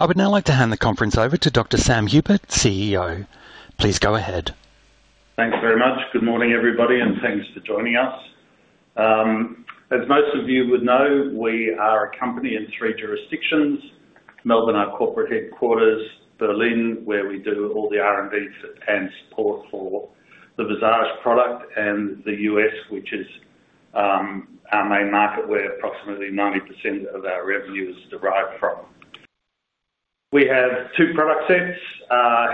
I would now like to hand the conference over to Dr. Sam Hupert, CEO. Please go ahead. Thanks very much. Good morning, everybody, and thanks for joining us. As most of you would know, we are a company in three jurisdictions: Melbourne, our corporate headquarters; Berlin, where we do all the R&D and support for the Visage product; and the U.S., which is our main market, where approximately 90% of our revenue is derived from. We have two product sets.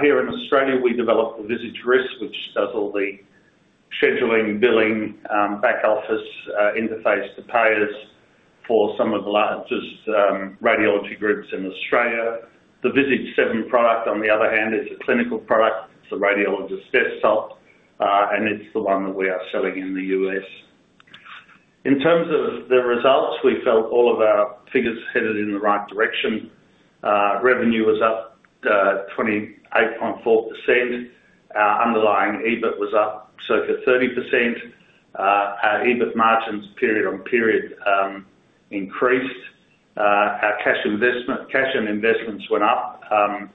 Here in Australia, we develop the Visage RIS, which does all the scheduling, billing, back office, interface to payers for some of the largest radiology groups in Australia. The Visage 7 product, on the other hand, is a clinical product. It's a radiologist desktop, and it's the one that we are selling in the U.S.. In terms of the results, we felt all of our figures headed in the right direction. Revenue was up 28.4%. Our underlying EBIT was up circa 30%. Our EBIT margins, period-on-period, increased. Our cash and investments went up by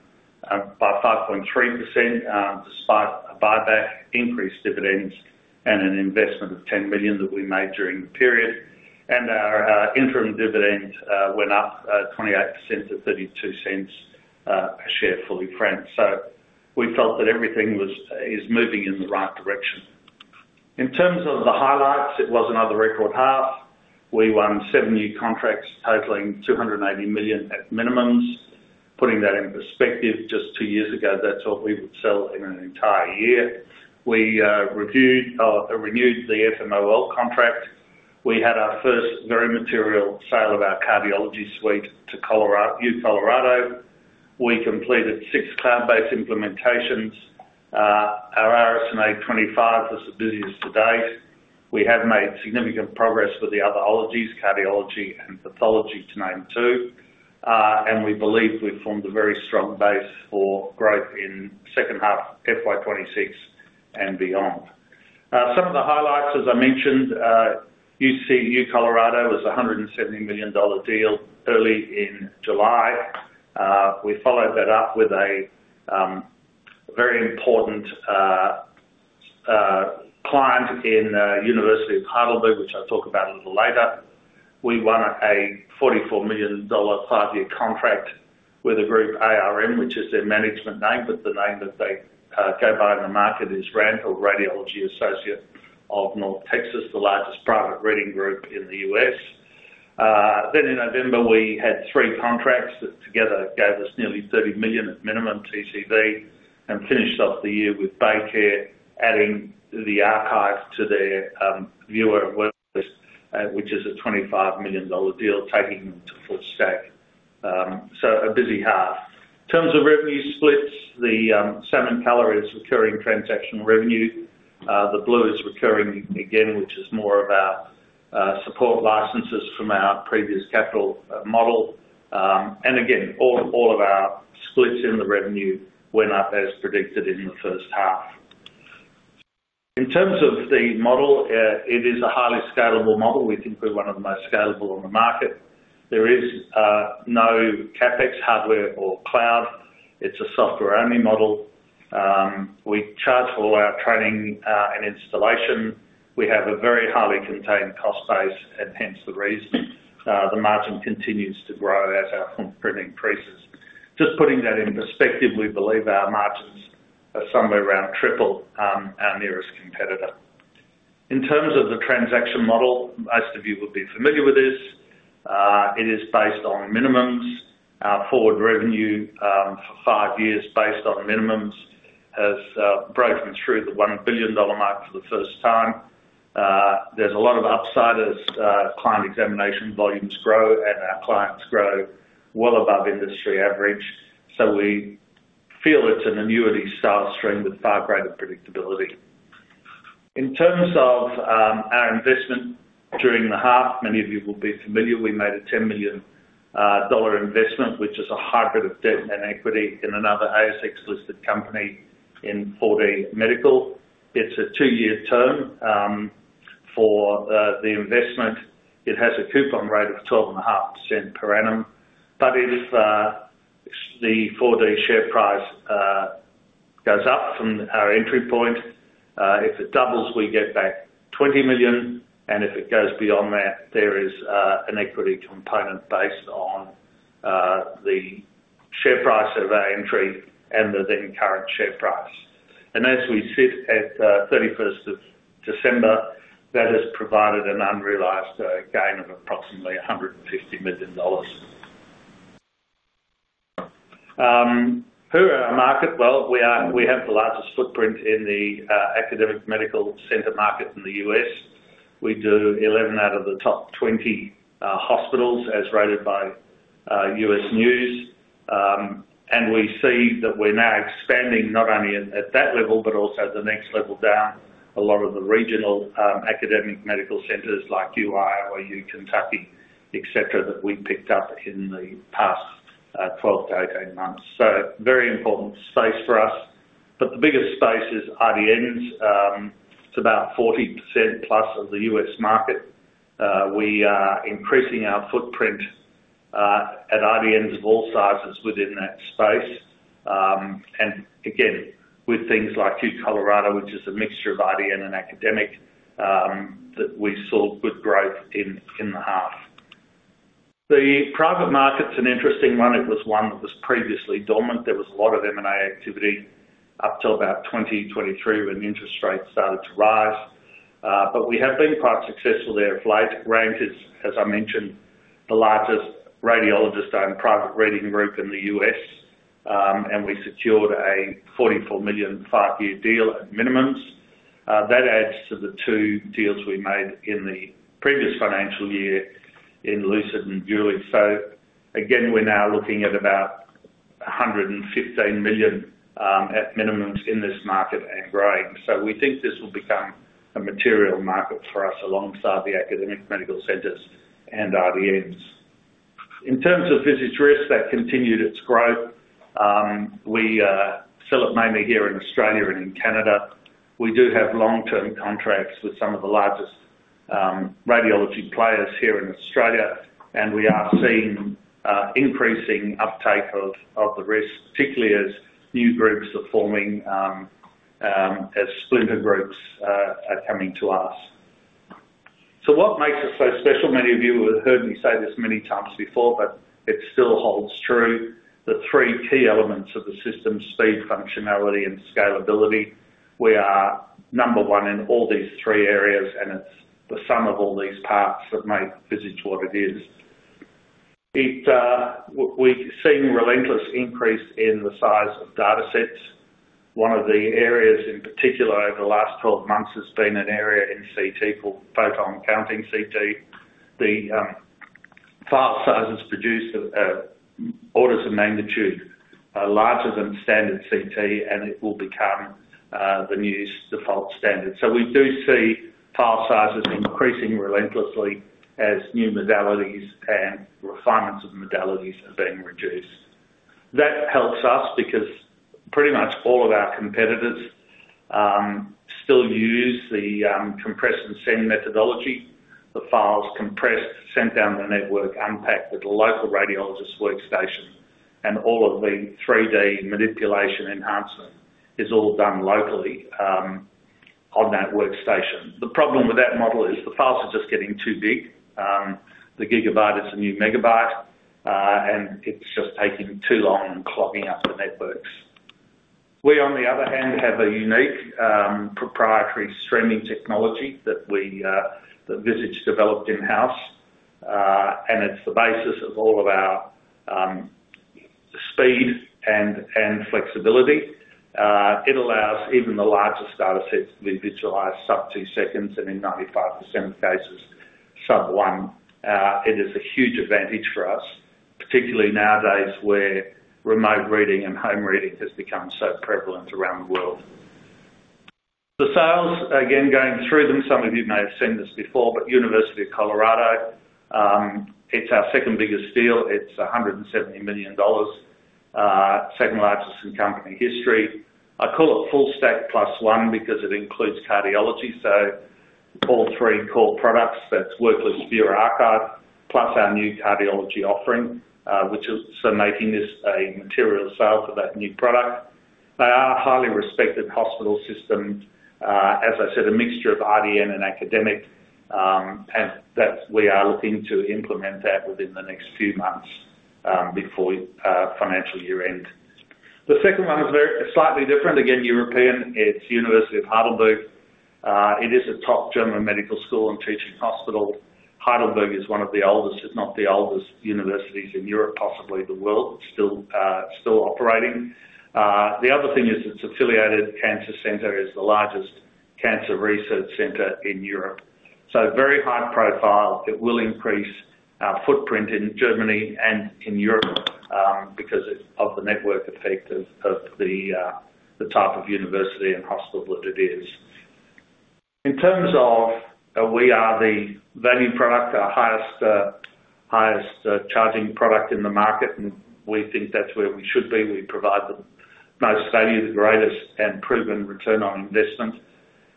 5.3%, despite a buyback, increased dividends, and an investment of 10 million that we made during the period. Our interim dividend went up 28% to 0.32 per share, fully franked. So we felt that everything was, is moving in the right direction. In terms of the highlights, it was another record half. We won seven new contracts, totaling 280 million at minimums. Putting that in perspective, just two years ago, that's what we would sell in an entire year. We renewed the FMOL contract. We had our first very material sale of our cardiology suite to UC Colorado. We completed six cloud-based implementations. Our RSNA 2025 was the busiest to date. We have made significant progress with the other ologies, cardiology and pathology, to name two. And we believe we've formed a very strong base for growth in second half, FY 2026 and beyond. Some of the highlights, as I mentioned, UC Colorado was a 170 million dollar deal early in July. We followed that up with a very important client in University of Heidelberg, which I'll talk about a little later. We won a 44 million dollar five-year contract with a group, ARM, which is their management name, but the name that they go by in the market is RAN, or Radiology Associates of North Texas, the largest private reading group in the U.S. Then in November, we had three contracts that together gave us nearly 30 million at minimum TCV, and finished off the year with BayCare, adding the archive to their viewer workflow, which is a 25 million dollar deal, taking them to full stack. So a busy half. In terms of revenue splits, the salmon color is recurring transactional revenue. The blue is recurring again, which is more of our support licenses from our previous capital model. And again, all of our splits in the revenue went up as predicted in the first half. In terms of the model, it is a highly scalable model. We think we're one of the most scalable on the market. There is no CapEx, hardware, or cloud. It's a software-only model. We charge for all our training and installation. We have a very highly contained cost base, and hence the reason the margin continues to grow as our footprint increases. Just putting that in perspective, we believe our margins are somewhere around triple our nearest competitor. In terms of the transaction model, most of you would be familiar with this. It is based on minimums. Our forward revenue for five years, based on minimums, has broken through the 1 billion dollar mark for the first time. There's a lot of upside as client examination volumes grow and our clients grow well above industry average. So we feel it's an annuity sales stream with far greater predictability. In terms of our investment during the half, many of you will be familiar, we made a 10 million dollar investment, which is a hybrid of debt and equity in another ASX-listed company in 4DMedical. It's a two-year term for the investment. It has a coupon rate of 12.5% per annum, but if the 4DMedical share price goes up from our entry point, if it doubles, we get back 20 million, and if it goes beyond that, there is an equity component based on the share price of our entry and the then current share price. And as we sit at 31st of December, that has provided an unrealized gain of approximately 150 million dollars. Who are our market? Well, we are—we have the largest footprint in the academic medical center market in the U.S. We do 11 out of the top 20 hospitals, as rated by U.S. News. And we see that we're now expanding not only at that level, but also at the next level down. A lot of the regional academic medical centers like UI or U Kentucky, etc., that we picked up in the past 12-18 months. So very important space for us... But the biggest space is IDNs. It's about 40% plus of the U.S. market. We are increasing our footprint at IDNs of all sizes within that space. And again, with things like UCHealth Colorado, which is a mixture of IDN and academic, that we saw good growth in, in the half. The private market's an interesting one. It was one that was previously dormant. There was a lot of M&A activity up till about 2023, when interest rates started to rise. But we have been quite successful there of late. RAN is, as I mentioned, the largest radiologist-owned private reading group in the U.S., and we secured a 44 million, five-year deal at minimums. That adds to the two deals we made in the previous financial year in Lucid and Julie. So again, we're now looking at about 115 million, at minimums in this market and growing. So we think this will become a material market for us, alongside the academic medical centers and IDNs. In terms of Visage RIS, that continued its growth. We sell it mainly here in Australia and in Canada. We do have long-term contracts with some of the largest radiology players here in Australia, and we are seeing increasing uptake of the RIS, particularly as new groups are forming, as splinter groups are coming to us. So what makes us so special? Many of you have heard me say this many times before, but it still holds true. The three key elements of the system: speed, functionality, and scalability. We are number one in all these three areas, and it's the sum of all these parts that make Visage what it is. It, we've seen relentless increase in the size of datasets. One of the areas, in particular, over the last 12 months, has been an area in CT called Photon Counting CT. The file sizes produced are orders of magnitude larger than standard CT, and it will become the new default standard. So we do see file sizes increasing relentlessly as new modalities and refinements of modalities are being reduced. That helps us because pretty much all of our competitors still use the compress-and-send methodology. The file's compressed, sent down the network, unpacked at the local radiologist's workstation, and all of the 3D manipulation enhancement is all done locally on that workstation. The problem with that model is the files are just getting too big. The gigabyte is the new megabyte, and it's just taking too long and clogging up the networks. We, on the other hand, have a unique, proprietary streaming technology that we, that Visage developed in-house, and it's the basis of all of our, speed and flexibility. It allows even the largest datasets to be visualized sub two seconds, and in 95% of cases, sub-one. It is a huge advantage for us, particularly nowadays, where remote reading and home reading has become so prevalent around the world. The sales, again, going through them, some of you may have seen this before, but University of Colorado, it's our second-biggest deal. It's 170 million dollars, second-largest in company history. I call it full stack plus one because it includes cardiology, so all three core products, that's Worklist, Viewer, Archive, plus our new cardiology offering, which is so making this a material sale for that new product. They are a highly respected hospital system. As I said, a mixture of IDN and academic, and that we are looking to implement that within the next few months, before financial year end. The second one is very, slightly different. Again, European, it's University of Heidelberg. It is a top German medical school and teaching hospital. Heidelberg is one of the oldest, if not the oldest, universities in Europe, possibly the world, still operating. The other thing is, its affiliated cancer center is the largest cancer research center in Europe. So very high profile. It will increase our footprint in Germany and in Europe, because it's of the network effect of the type of university and hospital that it is. In terms of, we are the value product, our highest charging product in the market, and we think that's where we should be. We provide the most value, the greatest and proven return on investment.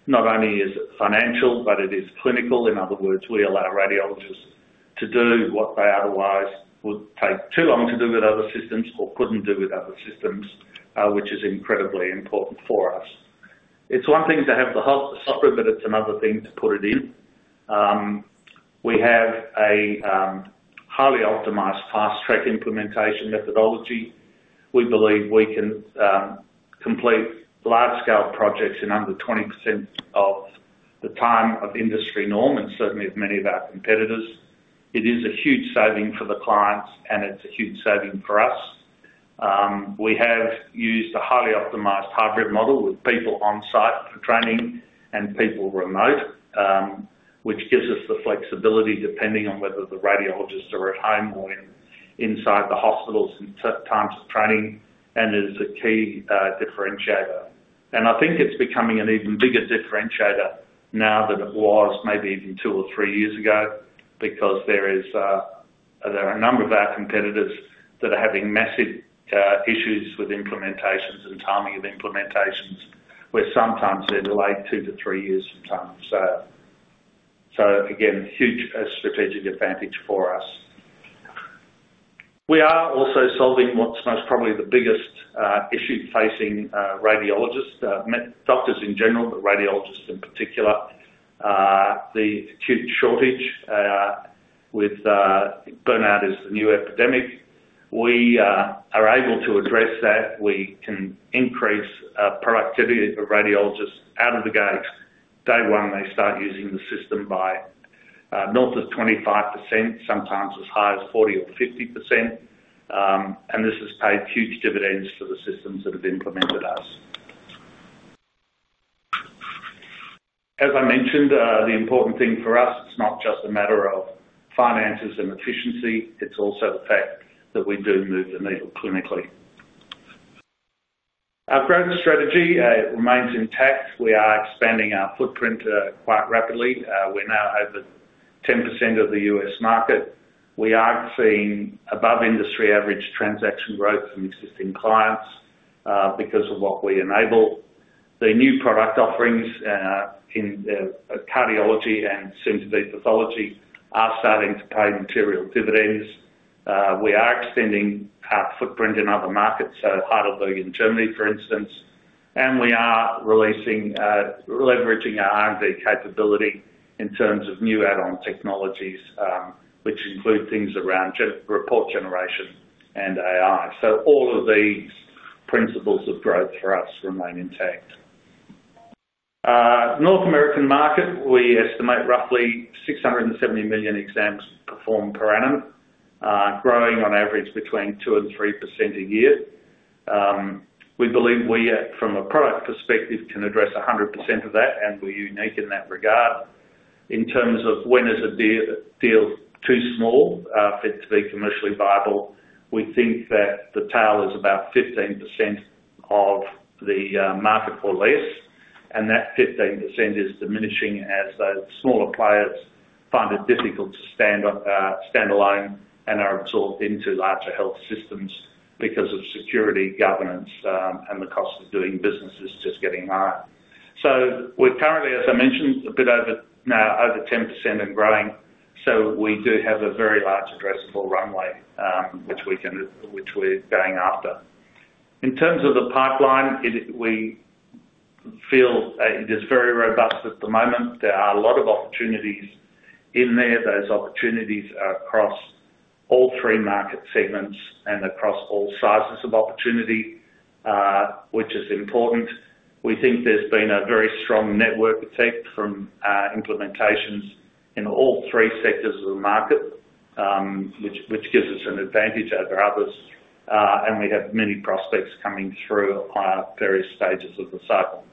Not only is it financial, but it is clinical. In other words, we allow radiologists to do what they otherwise would take too long to do with other systems or couldn't do with other systems, which is incredibly important for us. It's one thing to have the whole software, but it's another thing to put it in. We have a highly optimized fast-track implementation methodology. We believe we can complete large-scale projects in under 20% of the time of industry norm, and certainly of many of our competitors. It is a huge saving for the clients, and it's a huge saving for us. We have used a highly optimized hybrid model with people on site for training and people remote, which gives us the flexibility, depending on whether the radiologists are at home or inside the hospitals in terms of training, and is a key differentiator. And I think it's becoming an even bigger differentiator now than it was maybe even two or three years ago, because there is. There are a number of our competitors that are having massive issues with implementations and timing of implementations, where sometimes they're delayed two to three years sometimes. So, so again, huge strategic advantage for us. We are also solving what's most probably the biggest issue facing radiologists, doctors in general, but radiologists in particular. The acute shortage with burnout is the new epidemic. We are able to address that. We can increase productivity for radiologists out of the gates. Day one, they start using the system by north of 25%, sometimes as high as 40% or 50%. This has paid huge dividends for the systems that have implemented us. As I mentioned, the important thing for us, it's not just a matter of finances and efficiency, it's also the fact that we do move the needle clinically. Our growth strategy remains intact. We are expanding our footprint quite rapidly. We're now over 10% of the U.S. market. We are seeing above industry average transaction growth from existing clients because of what we enable. The new product offerings in cardiology and soon to be pathology are starting to pay material dividends. We are extending our footprint in other markets, so Heidelberg, in Germany, for instance, and we are leveraging our R&D capability in terms of new add-on technologies, which include things around generative report generation and AI. So all of these principles of growth for us remain intact. North American market, we estimate roughly 670 million exams performed per annum, growing on average between 2%-3% a year. We believe we, from a product perspective, can address 100% of that, and we're unique in that regard. In terms of when is a deal, deal too small for it to be commercially viable, we think that the tail is about 15% of the market or less, and that 15% is diminishing as the smaller players find it difficult to stand up stand alone and are absorbed into larger health systems because of security, governance, and the cost of doing business is just getting higher. So we're currently, as I mentioned, a bit over now, over 10% and growing, so we do have a very large addressable runway, which we're going after. In terms of the pipeline, it, we feel, it is very robust at the moment. There are a lot of opportunities in there. Those opportunities are across all three market segments and across all sizes of opportunity, which is important. We think there's been a very strong network effect from implementations in all three sectors of the market, which gives us an advantage over others, and we have many prospects coming through on various stages of the cycle.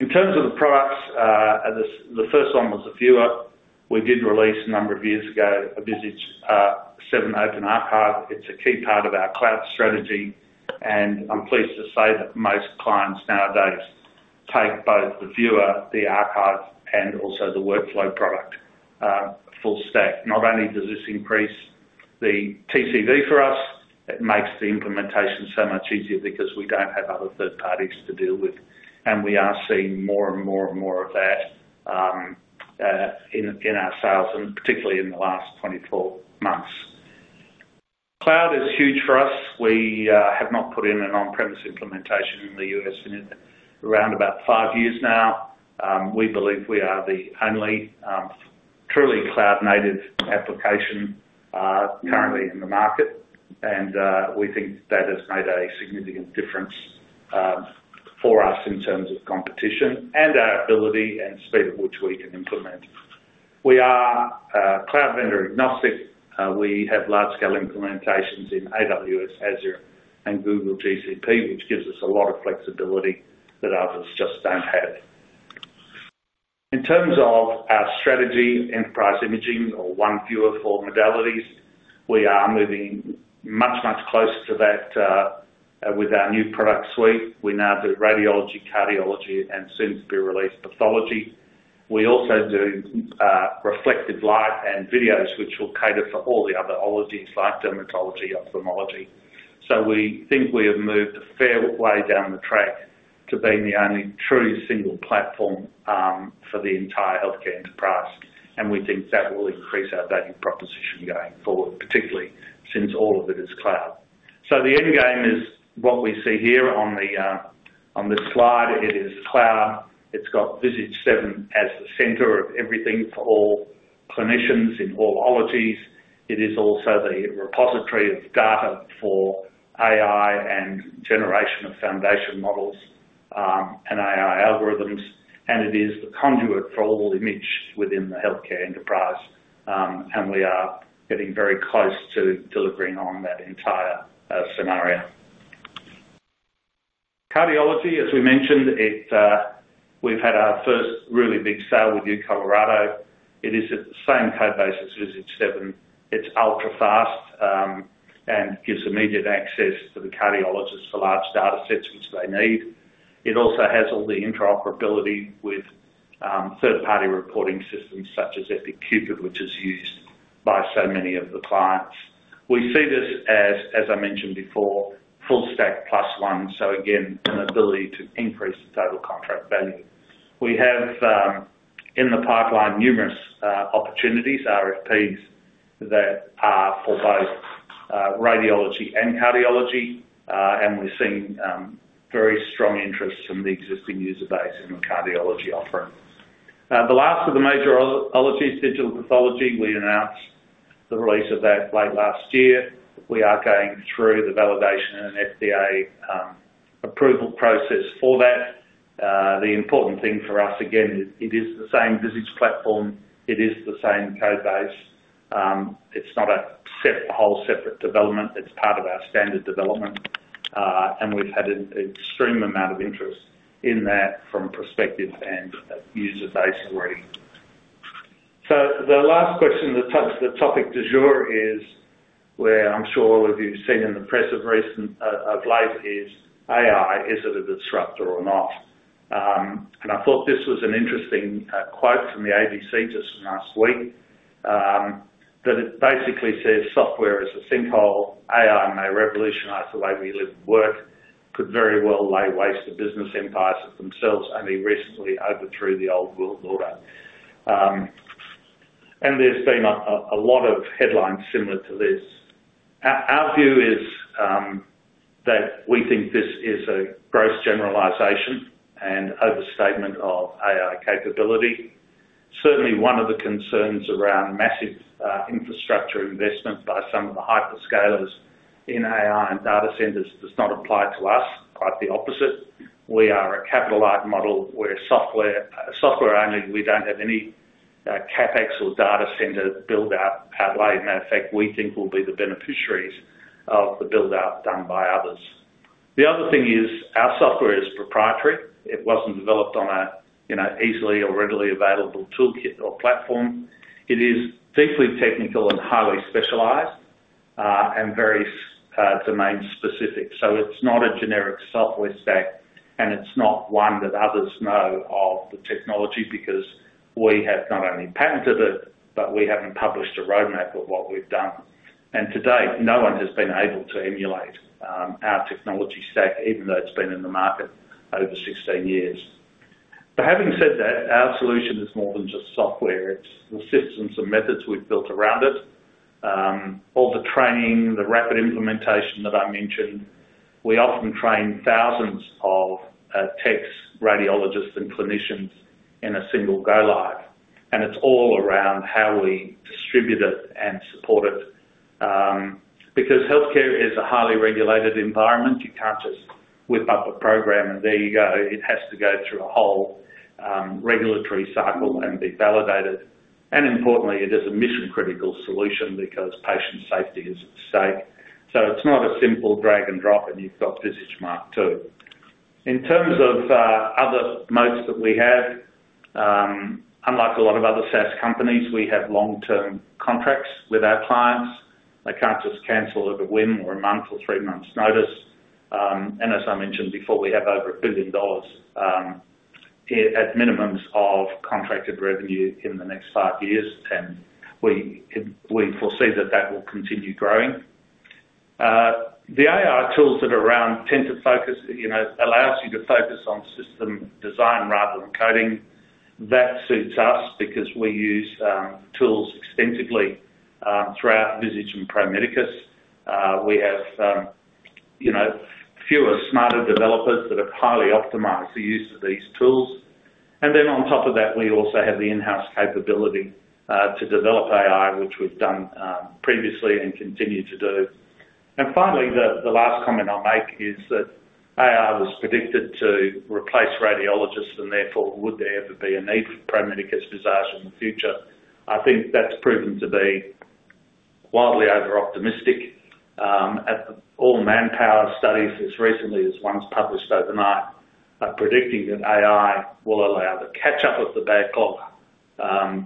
In terms of the products, the first one was the viewer. We did release a number of years ago, a Visage 7 Open Archive. It's a key part of our cloud strategy, and I'm pleased to say that most clients nowadays take both the viewer, the archive, and also the workflow product, full stack. Not only does this increase the TCV for us, it makes the implementation so much easier because we don't have other third parties to deal with, and we are seeing more and more of that in our sales, and particularly in the last 24 months. Cloud is huge for us. We have not put in an on-premise implementation in the U.S. in around about five years now. We believe we are the only truly cloud-native application currently in the market, and we think that has made a significant difference for us in terms of competition and our ability and speed at which we can implement. We are cloud vendor agnostic. We have large-scale implementations in AWS, Azure, and Google GCP, which gives us a lot of flexibility that others just don't have. In terms of our strategy, enterprise imaging, or one viewer for modalities, we are moving much, much closer to that with our new product suite. We now do radiology, cardiology, and soon to be released, pathology. We also do reflective light and videos, which will cater for all the other ologies, like dermatology, ophthalmology. So we think we have moved a fair way down the track to being the only truly single platform for the entire healthcare enterprise, and we think that will increase our value proposition going forward, particularly since all of it is cloud. So the end game is what we see here on this slide. It is cloud. It's got Visage 7 as the center of everything for all clinicians in all ologies. It is also the repository of data for AI and generation of foundation models and AI algorithms, and it is the conduit for all image within the healthcare enterprise. And we are getting very close to delivering on that entire scenario. Cardiology, as we mentioned, we've had our first really big sale with U Colorado. It is at the same code base as Visage 7. It's ultra-fast, and gives immediate access to the cardiologists for large data sets, which they need. It also has all the interoperability with third-party reporting systems, such as Epic Cupid, which is used by so many of the clients. We see this as, as I mentioned before, full stack plus one, so again, an ability to increase the total contract value. We have in the pipeline numerous opportunities, RFPs, that are for both radiology and cardiology, and we're seeing very strong interest from the existing user base in the cardiology offering. The last of the major ologies, digital pathology, we announced the release of that late last year. We are going through the validation and FDA approval process for that. The important thing for us, again, is it is the same Visage platform, it is the same code base. It's not a whole separate development, it's part of our standard development. We've had an extreme amount of interest in that from a prospective and a user base already. So the last question that touches the topic du jour is, where I'm sure all of you've seen in the press of recent, of late, is AI, is it a disruptor or not? I thought this was an interesting quote from the ABC just last week, that it basically says, "Software is a sinkhole. AI may revolutionize the way we live and work, could very well lay waste to business empires themselves, only recently overthrew the old world order. There's been a lot of headlines similar to this. Our view is that we think this is a gross generalization and overstatement of AI capability. Certainly, one of the concerns around massive infrastructure investment by some of the hyperscalers in AI and data centers does not apply to us. Quite the opposite. We are a capital light model. We're software, software only. We don't have any CapEx or data center build out pathway. Matter of fact, we think we'll be the beneficiaries of the build-out done by others. The other thing is, our software is proprietary. It wasn't developed on a you know, easily or readily available toolkit or platform. It is deeply technical and highly specialized, and very domain-specific. So it's not a generic software stack, and it's not one that others know of the technology, because we have not only patented it, but we haven't published a roadmap of what we've done. And to date, no one has been able to emulate our technology stack, even though it's been in the market over 16 years. But having said that, our solution is more than just software. It's the systems and methods we've built around it, all the training, the rapid implementation that I mentioned. We often train thousands of techs, radiologists, and clinicians in a single go live, and it's all around how we distribute it and support it. Because healthcare is a highly regulated environment, you can't just whip up a program and there you go. It has to go through a whole, regulatory cycle and be validated. Importantly, it is a mission-critical solution because patient safety is at stake. It's not a simple drag and drop, and you've got Visage 7. In terms of other modes that we have, unlike a lot of other SaaS companies, we have long-term contracts with our clients. They can't just cancel at a whim, or a month, or three months' notice. And as I mentioned before, we have over $1 billion at minimums of contracted revenue in the next five years, and we foresee that that will continue growing. The AI tools that are around tend to focus, you know, allows you to focus on system design rather than coding. That suits us because we use tools extensively throughout Visage and Pro Medicus. We have, you know, fewer smarter developers that have highly optimized the use of these tools. And then on top of that, we also have the in-house capability to develop AI, which we've done, previously and continue to do. And finally, the last comment I'll make is that AI was predicted to replace radiologists, and therefore, would there ever be a need for Pro Medicus Visage in the future? I think that's proven to be wildly overoptimistic. All manpower studies, as recently as ones published overnight, are predicting that AI will allow the catch-up of the backlog,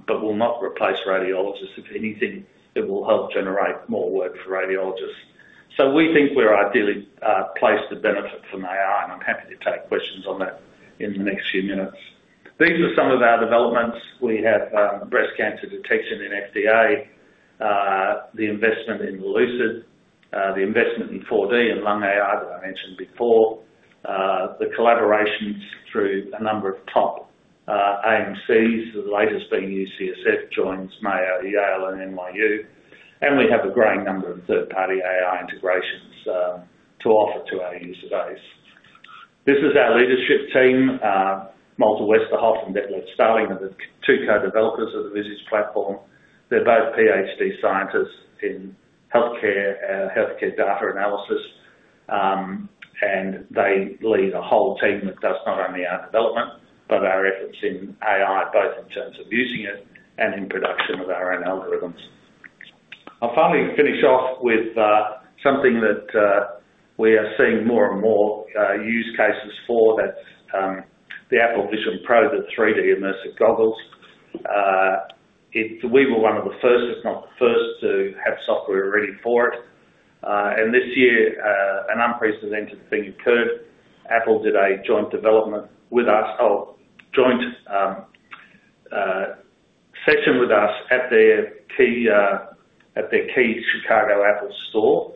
but will not replace radiologists. If anything, it will help generate more work for radiologists. So we think we're ideally placed to benefit from AI, and I'm happy to take questions on that in the next few minutes. These are some of our developments. We have breast cancer detection in FDA, the investment in Lucid, the investment in 4D and LungAI that I mentioned before, the collaborations through a number of top AMCs, the latest being UCSF, joins Mayo, Yale, and NYU, and we have a growing number of third-party AI integrations to offer to our user base. This is our leadership team. Malte Westerhoff and Detlev Stalling are the two co-developers of the Visage platform. They're both PhD scientists in healthcare and healthcare data analysis, and they lead a whole team that does not only our development, but our efforts in AI, both in terms of using it and in production of our own algorithms. I'll finally finish off with something that we are seeing more and more use cases for, that's the Apple Vision Pro, the three-dimensional immersive goggles. So we were one of the first, if not the first, to have software ready for it. And this year, an unprecedented thing occurred. Apple did a joint development with us. Oh, joint session with us at their key, at their key Chicago Apple store.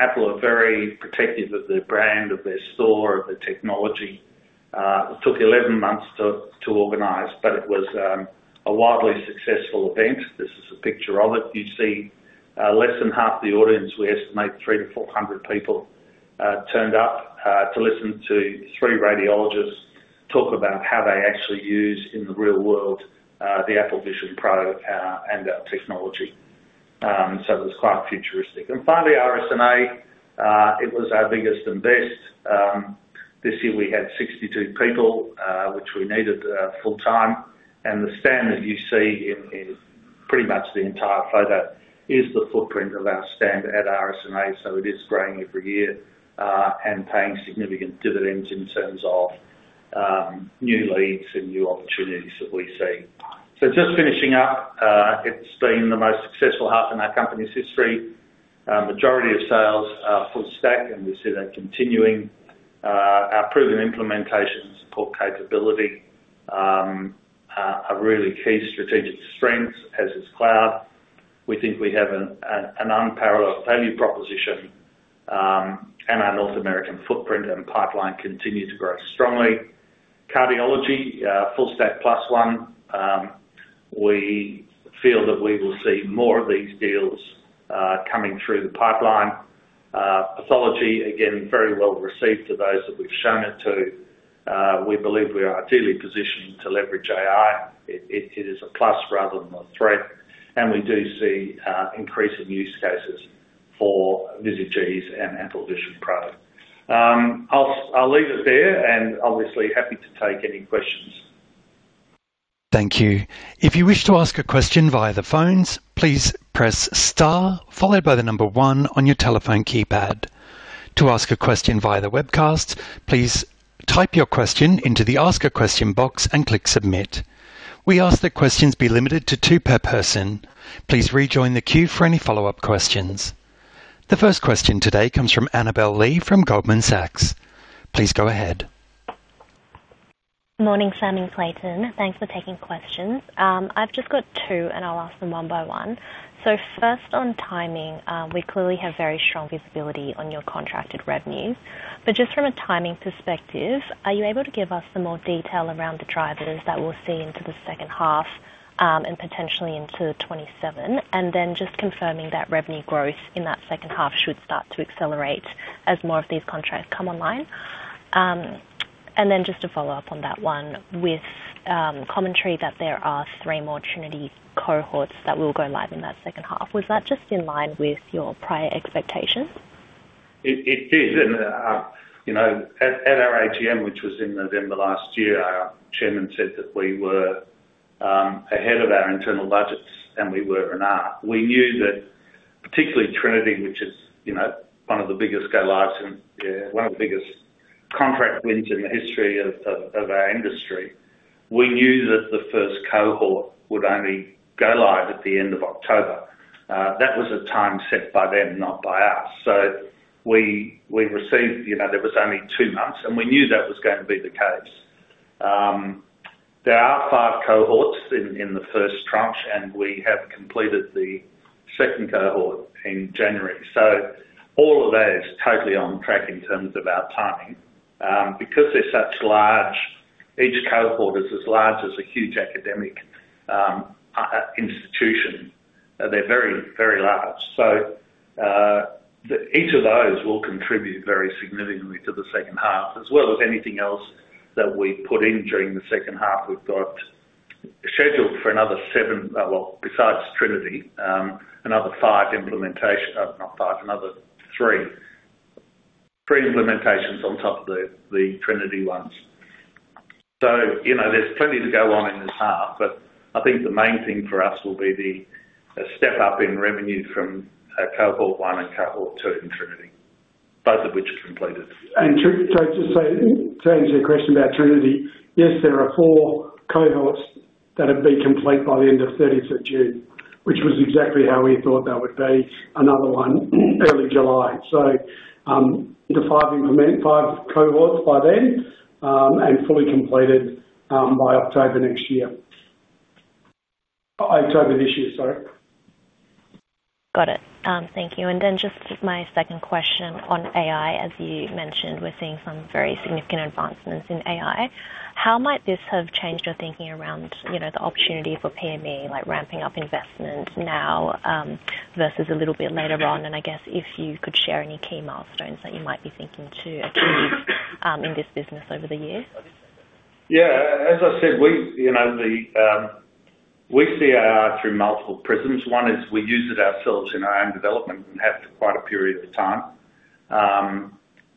Apple are very protective of their brand, of their store, of the technology. It took 11 months to organize, but it was a wildly successful event. This is a picture of it. You see, less than half the audience. We estimate 300-400 people turned up to listen to three radiologists talk about how they actually use, in the real world, the Apple Vision Pro, and our technology. So it was quite futuristic. And finally, RSNA, it was our biggest and best. This year we had 62 people, which we needed, full-time. And the standard you see in pretty much the entire photo is the footprint of our standard at RSNA. So it is growing every year, and paying significant dividends in terms of, new leads and new opportunities that we see. So just finishing up, it's been the most successful half in our company's history. Majority of sales are full stack, and we see that continuing. Our proven implementation and support capability, are really key strategic strengths, as is cloud. We think we have an unparalleled value proposition, and our North American footprint and pipeline continue to grow strongly. Cardiology, full stack plus one. We feel that we will see more of these deals, coming through the pipeline. Pathology, again, very well received to those that we've shown it to. We believe we are ideally positioned to leverage AI. It is a plus rather than a threat, and we do see increasing use cases for Visage and Apple Vision Pro. I'll leave it there, and obviously happy to take any questions. Thank you. If you wish to ask a question via the phones, please press star followed by the number one on your telephone keypad. To ask a question via the webcast, please type your question into the Ask a Question box and click Submit. We ask that questions be limited to two per person. Please rejoin the queue for any follow-up questions. The first question today comes from Annabel Li from Goldman Sachs. Please go ahead. Morning, Sam and Clayton. Thanks for taking questions. I've just got two, and I'll ask them one by one. So first, on timing, we clearly have very strong visibility on your contracted revenues. But just from a timing perspective, are you able to give us some more detail around the drivers that we'll see into the second half, and potentially into 2027? And then just confirming that revenue growth in that second half should start to accelerate as more of these contracts come online. And then just to follow up on that one, with commentary that there are three more Trinity cohorts that will go live in that second half. Was that just in line with your prior expectations? It is. And, you know, at our AGM, which was in November last year, our chairman said that we were ahead of our internal budgets, and we were and are. We knew that particularly Trinity, which is, you know, one of the biggest go-lives and one of the biggest contract wins in the history of our industry, we knew that the first cohort would only go live at the end of October. That was a time set by them, not by us. So we received, you know, there was only two months, and we knew that was going to be the case. There are five cohorts in the first tranche, and we have completed the second cohort in January. So all of that is totally on track in terms of our timing. Because they're such large. Each cohort is as large as a huge academic institution. They're very, very large. So, each of those will contribute very significantly to the second half, as well as anything else that we put in during the second half. We've got scheduled for another seven, well, besides Trinity, another five implementation, not five, another three, three implementations on top of the Trinity ones. So, you know, there's plenty to go on in this half, but I think the main thing for us will be the step up in revenue from cohort one and cohort two in Trinity, both of which are completed. Trinity, so just to say, to answer your question about Trinity, yes, there are four cohorts that have been completed by the end of the 30th of June, which was exactly how we thought that would be, another one early July. So, the five implementations, five cohorts by then, and fully completed by October this year, sorry. Got it. Thank you. And then just my second question on AI. As you mentioned, we're seeing some very significant advancements in AI. How might this have changed your thinking around, you know, the opportunity for P&E, like ramping up investment now, versus a little bit later on? And I guess if you could share any key milestones that you might be thinking to achieve, in this business over the years? Yeah. As I said, we, you know, we see AI through multiple prisms. One is we use it ourselves in our own development and have for quite a period of time.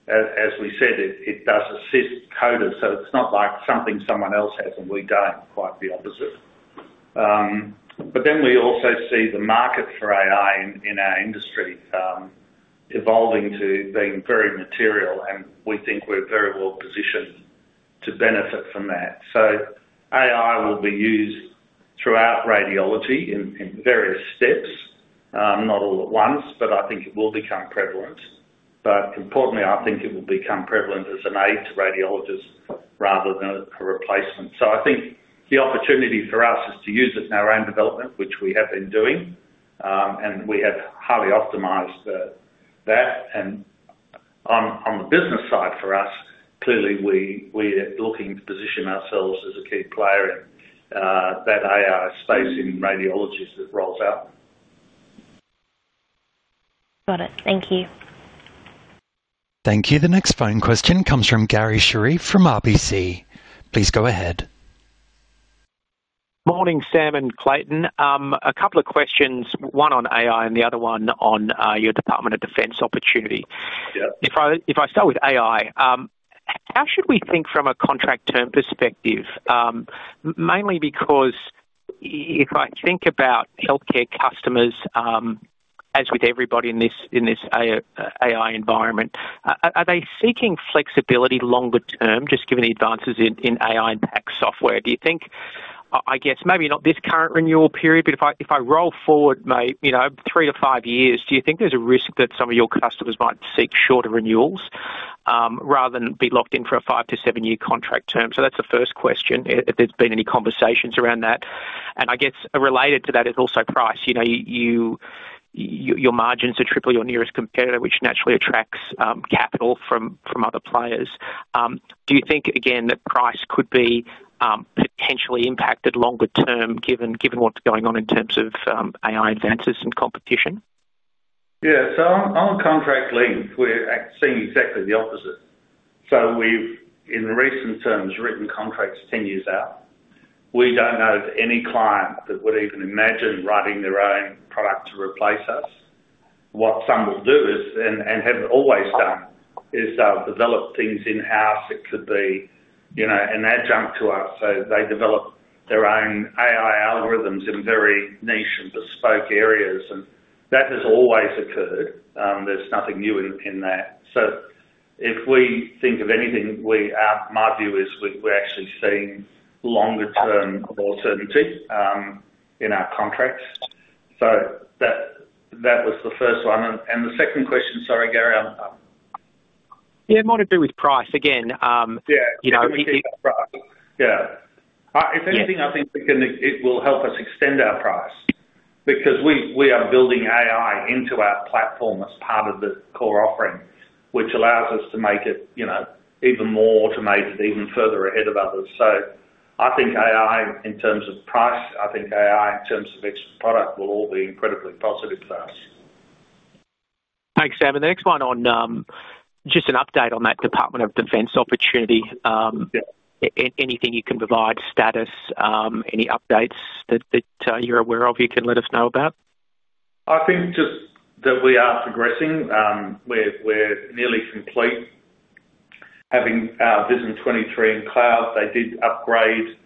As we said, it does assist coding, so it's not like something someone else has, and we don't. Quite the opposite. But then we also see the market for AI in our industry evolving to being very material, and we think we're very well positioned to benefit from that. So AI will be used throughout radiology in various steps, not all at once, but I think it will become prevalent. But importantly, I think it will become prevalent as an aid to radiologists rather than a replacement. So I think the opportunity for us is to use it in our own development, which we have been doing. We have highly optimized that. On the business side, for us, clearly, we're looking to position ourselves as a key player in that AI space in radiology as it rolls out. Got it. Thank you. Thank you. The next phone question comes from Garry Sherriff from RBC. Please go ahead. Morning, Sam and Clayton. A couple of questions, one on AI and the other one on your Department of Defense opportunity. Yeah. If I start with AI, how should we think from a contract term perspective? Mainly because if I think about healthcare customers, as with everybody in this AI environment, are they seeking flexibility longer term, just given the advances in AI and PACS software? Do you think, I guess maybe not this current renewal period, but if I roll forward, maybe you know, three to five years, do you think there's a risk that some of your customers might seek shorter renewals rather than be locked in for a five to seven-year contract term? So that's the first question. If there's been any conversations around that. And I guess related to that is also price. You know, your margins are triple your nearest competitor, which naturally attracts capital from other players. Do you think, again, that price could be potentially impacted longer term, given what's going on in terms of AI advances and competition? Yeah. So on contract length, we're seeing exactly the opposite. So we've, in recent terms, written contracts 10 years out. We don't know of any client that would even imagine writing their own product to replace us. What some will do is, and have always done, is develop things in-house that could be, you know, an adjunct to us. So they develop their own AI algorithms in very niche and bespoke areas, and that has always occurred. There's nothing new in that. So if we think of anything, my view is we're actually seeing longer term of alternatives in our contracts. So that was the first one and the second question, sorry, Garry? Yeah, it might have been with price again. Yeah. You know- Yeah. If anything- Yeah. I think it can, it will help us extend our price. Because we, we are building AI into our platform as part of the core offering, which allows us to make it, you know, even more automated, even further ahead of others. So I think AI, in terms of price, I think AI, in terms of its product, will all be incredibly positive for us. Thanks, Sam. The next one on, just an update on that Department of Defense opportunity. Yeah. Anything you can provide, status, any updates that you're aware of, you can let us know about? I think just that we are progressing. We're, we're nearly complete. Having our VISN23 in cloud, they did upgrade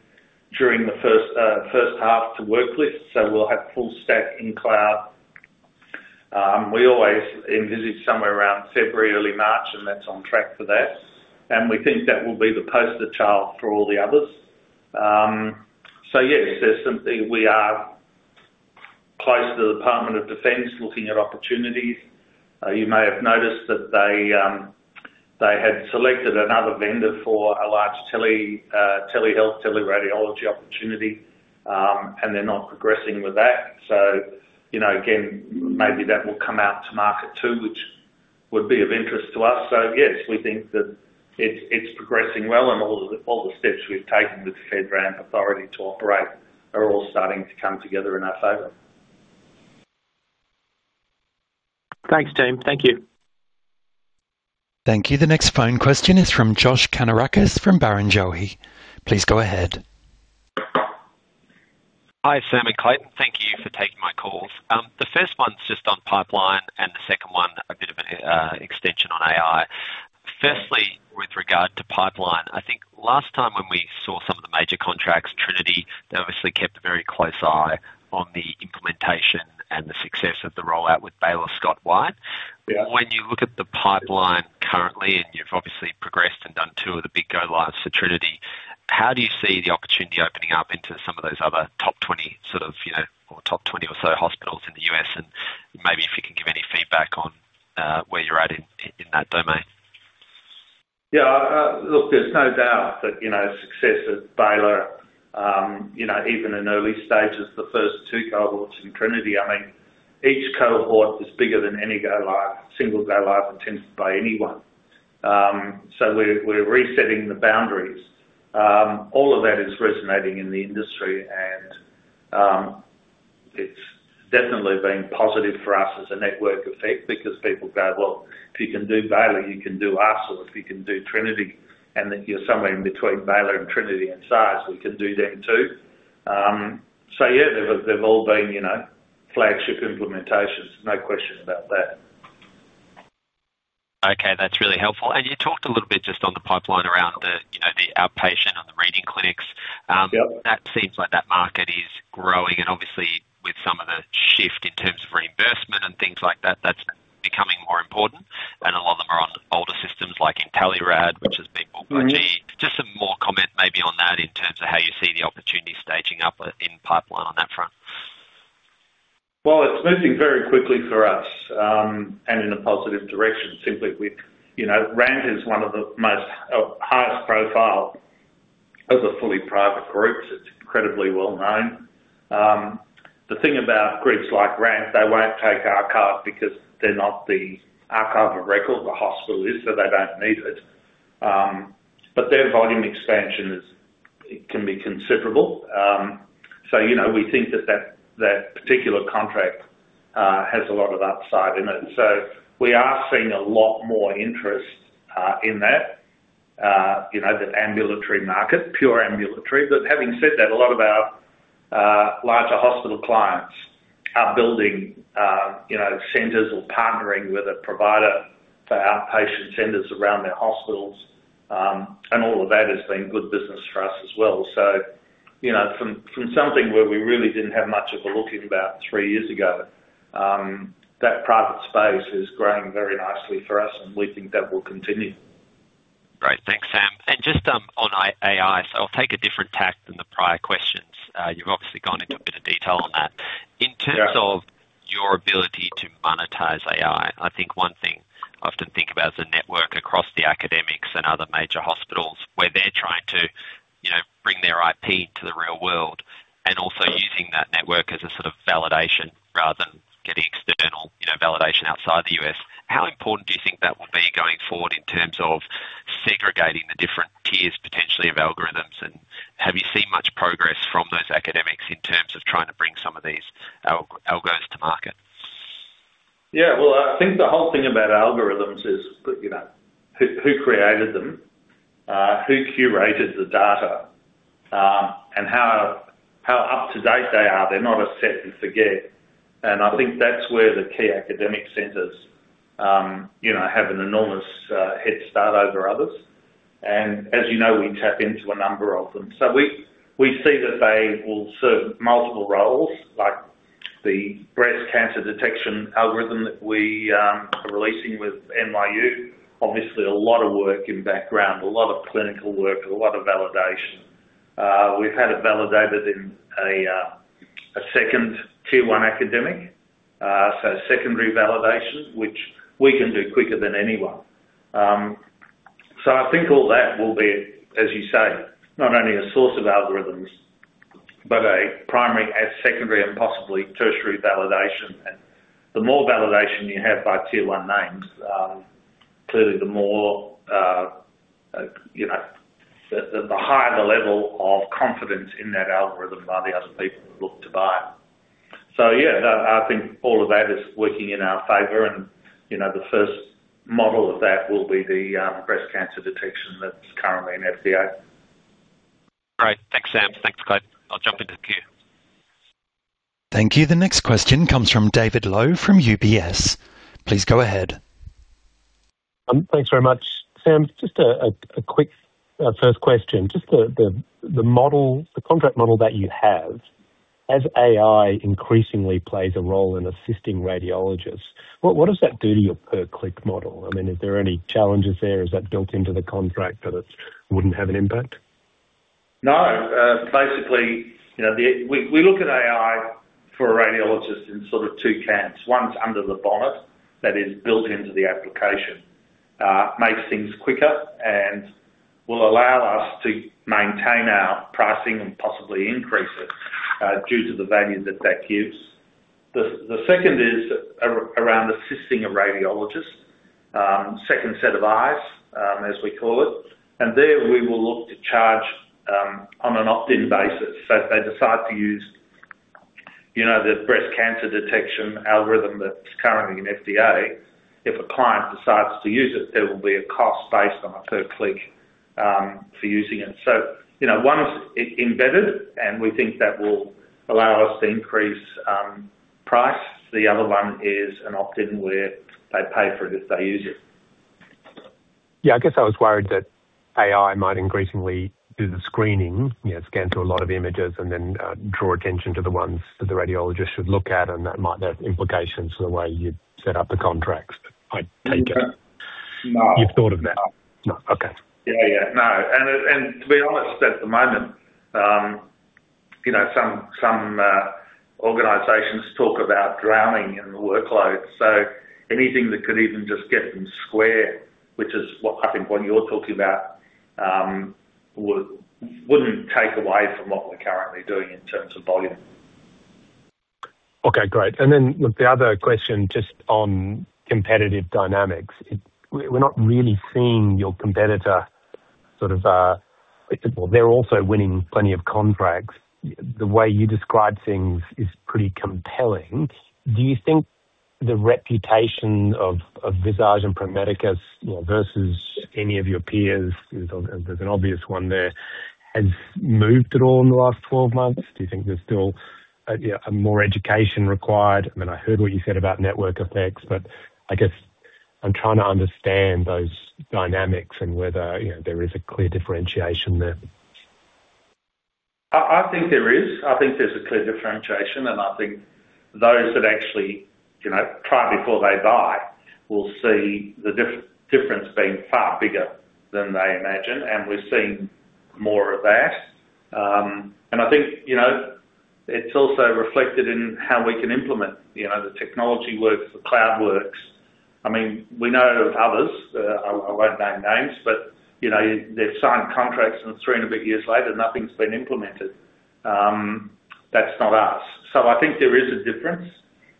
during the first, first half to Worklist, so we'll have full stack in cloud. We always envisage somewhere around February, early March, and that's on track for that. And we think that will be the poster child for all the others. So yes, there's something, we are close to the Department of Defense, looking at opportunities. You may have noticed that they, they had selected another vendor for a large tele, telehealth, teleradiology opportunity, and they're not progressing with that. So, you know, again, maybe that will come out to market too, which would be of interest to us. So yes, we think that it's progressing well and all the steps we've taken with the FedRAMP authority to operate are all starting to come together in our favor. Thanks, team. Thank you. Thank you. The next phone question is from Josh Kannourakis from Barrenjoey. Please go ahead. Hi, Sam and Clayton. Thank you for taking my calls. The first one's just on pipeline, and the second one, a bit of an extension on AI. Yeah. Firstly, with regard to pipeline, I think last time when we saw some of the major contracts, Trinity, they obviously kept a very close eye on the implementation and the success of the rollout with Baylor Scott & White. Yeah. When you look at the pipeline currently, and you've obviously progressed and done two of the big go-lives for Trinity, how do you see the opportunity opening up into some of those other top 20, sort of, you know, or top 20 or so hospitals in the U.S.? And maybe if you can give any feedback on where you're at in that domain. Yeah, look, there's no doubt that, you know, success at Baylor, you know, even in early stages, the first two cohorts in Trinity, I mean, each cohort is bigger than any go-live, single go-live attempt by anyone. So we're, we're resetting the boundaries. All of that is resonating in the industry, and it's definitely been positive for us as a network effect because people go, "Well, if you can do Baylor, you can do us, or if you can do Trinity, and that you're somewhere in between Baylor and Trinity in size, we can do them, too." So yeah, they've, they've all been, you know, flagship implementations. No question about that. Okay, that's really helpful. And you talked a little bit just on the pipeline around the, you know, the outpatient and the reading clinics. Yeah. That seems like that market is growing, and obviously with some of the shift in terms of reimbursement and things like that, that's becoming more important. And a lot of them are on older systems like Intelerad, which is being bought by GE. Just some more comment maybe on that, in terms of how you see the opportunity staging up in pipeline on that front. Well, it's moving very quickly for us, and in a positive direction, simply with, you know, RAN is one of the most, highest profile of the fully private groups. It's incredibly well known. The thing about groups like RAN, they won't take our card because they're not the archive of record, the hospital is, so they don't need it. But their volume expansion is, can be considerable. So, you know, we think that, that, that particular contract, has a lot of upside in it. So we are seeing a lot more interest, in that, you know, the ambulatory market, pure ambulatory. But having said that, a lot of our larger hospital clients are building, you know, centers or partnering with a provider for outpatient centers around their hospitals, and all of that has been good business for us as well. So, you know, from something where we really didn't have much of a look in about three years ago, that private space is growing very nicely for us, and we think that will continue. Great. Thanks, Sam. And just on AI, so I'll take a different tack than the prior questions. You've obviously gone into a bit of detail on that. Yeah. In terms of your ability to monetize AI, I think one thing I often think about is the network across the academics and other major hospitals, where they're trying to, you know, bring their IP to the real world, and also using that network as a sort of validation rather than getting external, you know, validation outside the U.S. How important do you think that will be going forward in terms of segregating the different tiers, potentially, of algorithms? And have you seen much progress from those academics in terms of trying to bring some of these algorithms to market? Yeah. Well, I think the whole thing about algorithms is that, you know, who, who created them, who curated the data, and how, how up-to-date they are. They're not a set and forget. And I think that's where the key academic centers, you know, have an enormous head start over others. And as you know, we tap into a number of them. So we, we see that they will serve multiple roles, like the breast cancer detection algorithm that we are releasing with NYU. Obviously, a lot of work in the background, a lot of clinical work, a lot of validation. We've had it validated in a second Tier 1 academic, so secondary validation, which we can do quicker than anyone. I think all that will be, as you say, not only a source of algorithms, but a primary and secondary and possibly tertiary validation. The more validation you have by Tier 1 names, clearly, the more, you know, the higher the level of confidence in that algorithm by the other people who look to buy it. Yeah, I think all of that is working in our favor, and, you know, the first model of that will be the breast cancer detection that's currently in FDA. Great. Thanks, Sam. Thanks, guys. I'll jump into the queue. Thank you. The next question comes from David Low, from UBS. Please go ahead. Thanks very much. Sam, just a quick first question. Just the model, the contract model that you have, as AI increasingly plays a role in assisting radiologists, what does that do to your per-click model? I mean, are there any challenges there? Is that built into the contract that it wouldn't have an impact? No. Basically, you know, we look at AI for a radiologist in sort of two camps. One's under the bonnet, that is built into the application, makes things quicker and will allow us to maintain our pricing and possibly increase it due to the value that that gives. The second is around assisting a radiologist, second set of eyes, as we call it, and there we will look to charge on an opt-in basis. So if they decide to use, you know, the breast cancer detection algorithm that's currently in FDA, if a client decides to use it, there will be a cost based on a per click for using it. So, you know, one is it embedded, and we think that will allow us to increase price. The other one is an opt-in, where they pay for it if they use it. Yeah. I guess I was worried that AI might increasingly do the screening, you know, scan through a lot of images, and then draw attention to the ones that the radiologist should look at, and that might have implications for the way you set up the contracts. But I take it- No. You've thought of that? No. Okay. Yeah, yeah. No, to be honest, at the moment, you know, some organizations talk about drowning in the workload, so anything that could even just get them square, which is what I think you're talking about, wouldn't take away from what we're currently doing in terms of volume. Okay, great. And then the other question, just on competitive dynamics. It, we're not really seeing your competitor, sort of. Well, they're also winning plenty of contracts. The way you describe things is pretty compelling. Do you think the reputation of Visage and Pro Medicus's, well, versus any of your peers, and there's an obvious one there, has moved at all in the last 12 months? Do you think there's still more education required? I mean, I heard what you said about network effects, but I guess I'm trying to understand those dynamics and whether, you know, there is a clear differentiation there. I think there is. I think there's a clear differentiation, and I think those that actually, you know, try before they buy will see the difference being far bigger than they imagined, and we've seen more of that. And I think, you know, it's also reflected in how we can implement. You know, the technology works, the cloud works. I mean, we know of others, I won't name names, but, you know, they've signed contracts, and three and a bit years later, nothing's been implemented. That's not us. So I think there is a difference.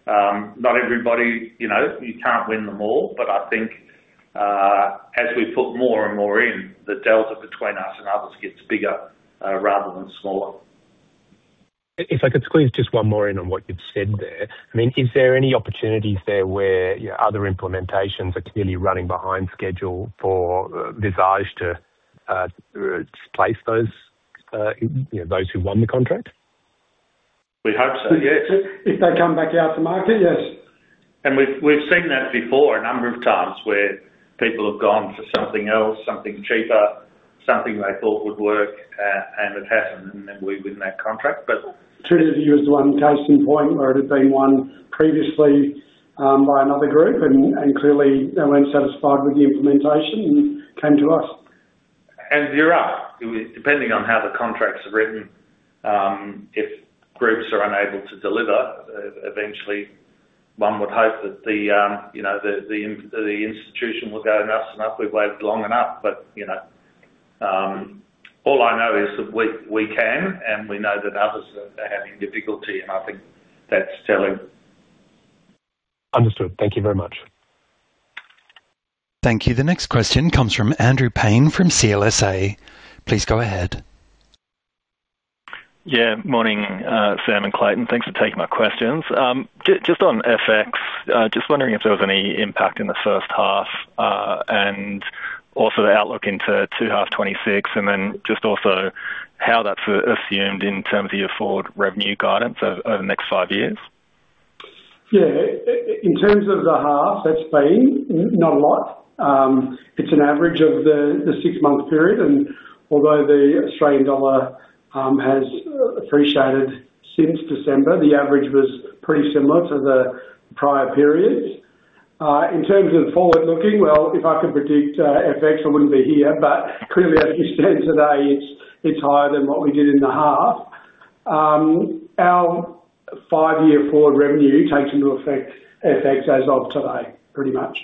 Not everybody, you know, you can't win them all, but I think, as we put more and more in, the delta between us and others gets bigger, rather than smaller. If I could squeeze just one more in on what you've said there. I mean, is there any opportunities there where, you know, other implementations are clearly running behind schedule for Visage to replace those, you know, those who won the contract? We hope so, yes. If they come back out to market, yes. We've seen that before a number of times where people have gone for something else, something cheaper, something they thought would work, and it hasn't, and then we win that contract, but- Treat it as one case in point, where it had been won previously, by another group and clearly they weren't satisfied with the implementation and came to us. There are, depending on how the contracts are written, if groups are unable to deliver, eventually, one would hope that you know, the institution will go, "Enough's enough. We've waited long enough." But, you know, all I know is that we can, and we know that others are having difficulty, and I think that's telling. Understood. Thank you very much. Thank you. The next question comes from Andrew Paine, from CLSA. Please go ahead. Yeah. Morning, Sam and Clayton. Thanks for taking my questions. Just on FX, just wondering if there was any impact in the first half, and also the outlook into second half 2026, and then just also how that's assumed in terms of your forward revenue guidance over the next five years? Yeah. In terms of the half, that's been not a lot. It's an average of the six-month period, and although the Australian dollar has appreciated since December, the average was pretty similar to the prior periods. In terms of forward-looking, well, if I could predict FX, I wouldn't be here. But clearly, as we stand today, it's higher than what we did in the half. Our five-year forward revenue takes into effect FX as of today, pretty much.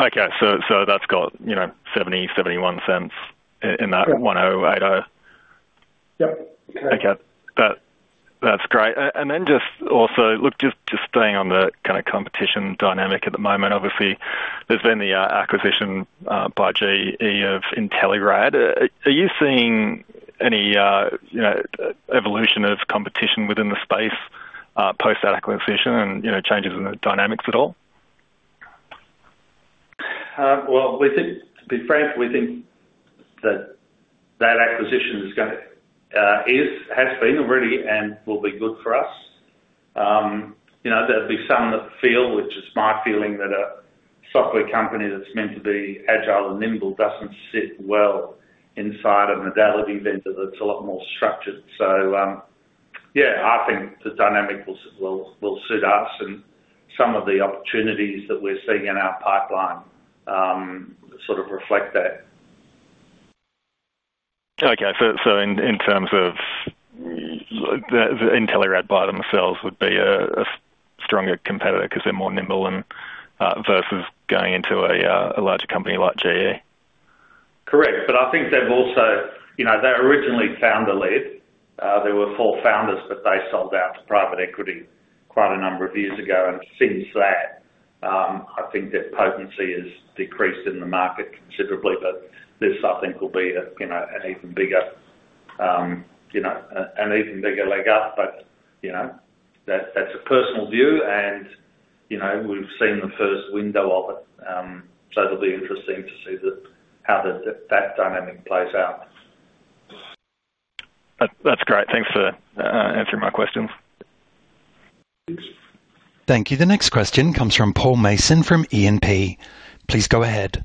Okay. So that's got, you know, 0.70-0.71 in that- Yep. 1080? Yep. Okay. That's great. And then just also, look, just staying on the kinda competition dynamic at the moment, obviously, there's been the acquisition by GE of Intelerad. Are you seeing any, you know, evolution of competition within the space post that acquisition and, you know, changes in the dynamics at all? Well, we think, to be frank, we think that that acquisition is gonna, is, has been already and will be good for us. You know, there'll be some that feel, which is my feeling, that a software company that's meant to be agile and nimble doesn't sit well inside a modality vendor that's a lot more structured. So, yeah, I think the dynamic will suit us, and some of the opportunities that we're seeing in our pipeline sort of reflect that. Okay. So in terms of the Intelerad by themselves would be a stronger competitor 'cause they're more nimble and versus going into a larger company like GE? Correct. But I think they've also... You know, they originally found a lead. They were four founders, but they sold out to private equity quite a number of years ago, and since that, I think their potency has decreased in the market considerably. But this, I think, will be a, you know, an even bigger, you know, an even bigger leg up. But, you know, that, that's a personal view, and, you know, we've seen the first window of it. So it'll be interesting to see the, how the, that dynamic plays out. That, that's great. Thanks for answering my questions. Thanks. Thank you. The next question comes from Paul Mason, from E&P. Please go ahead.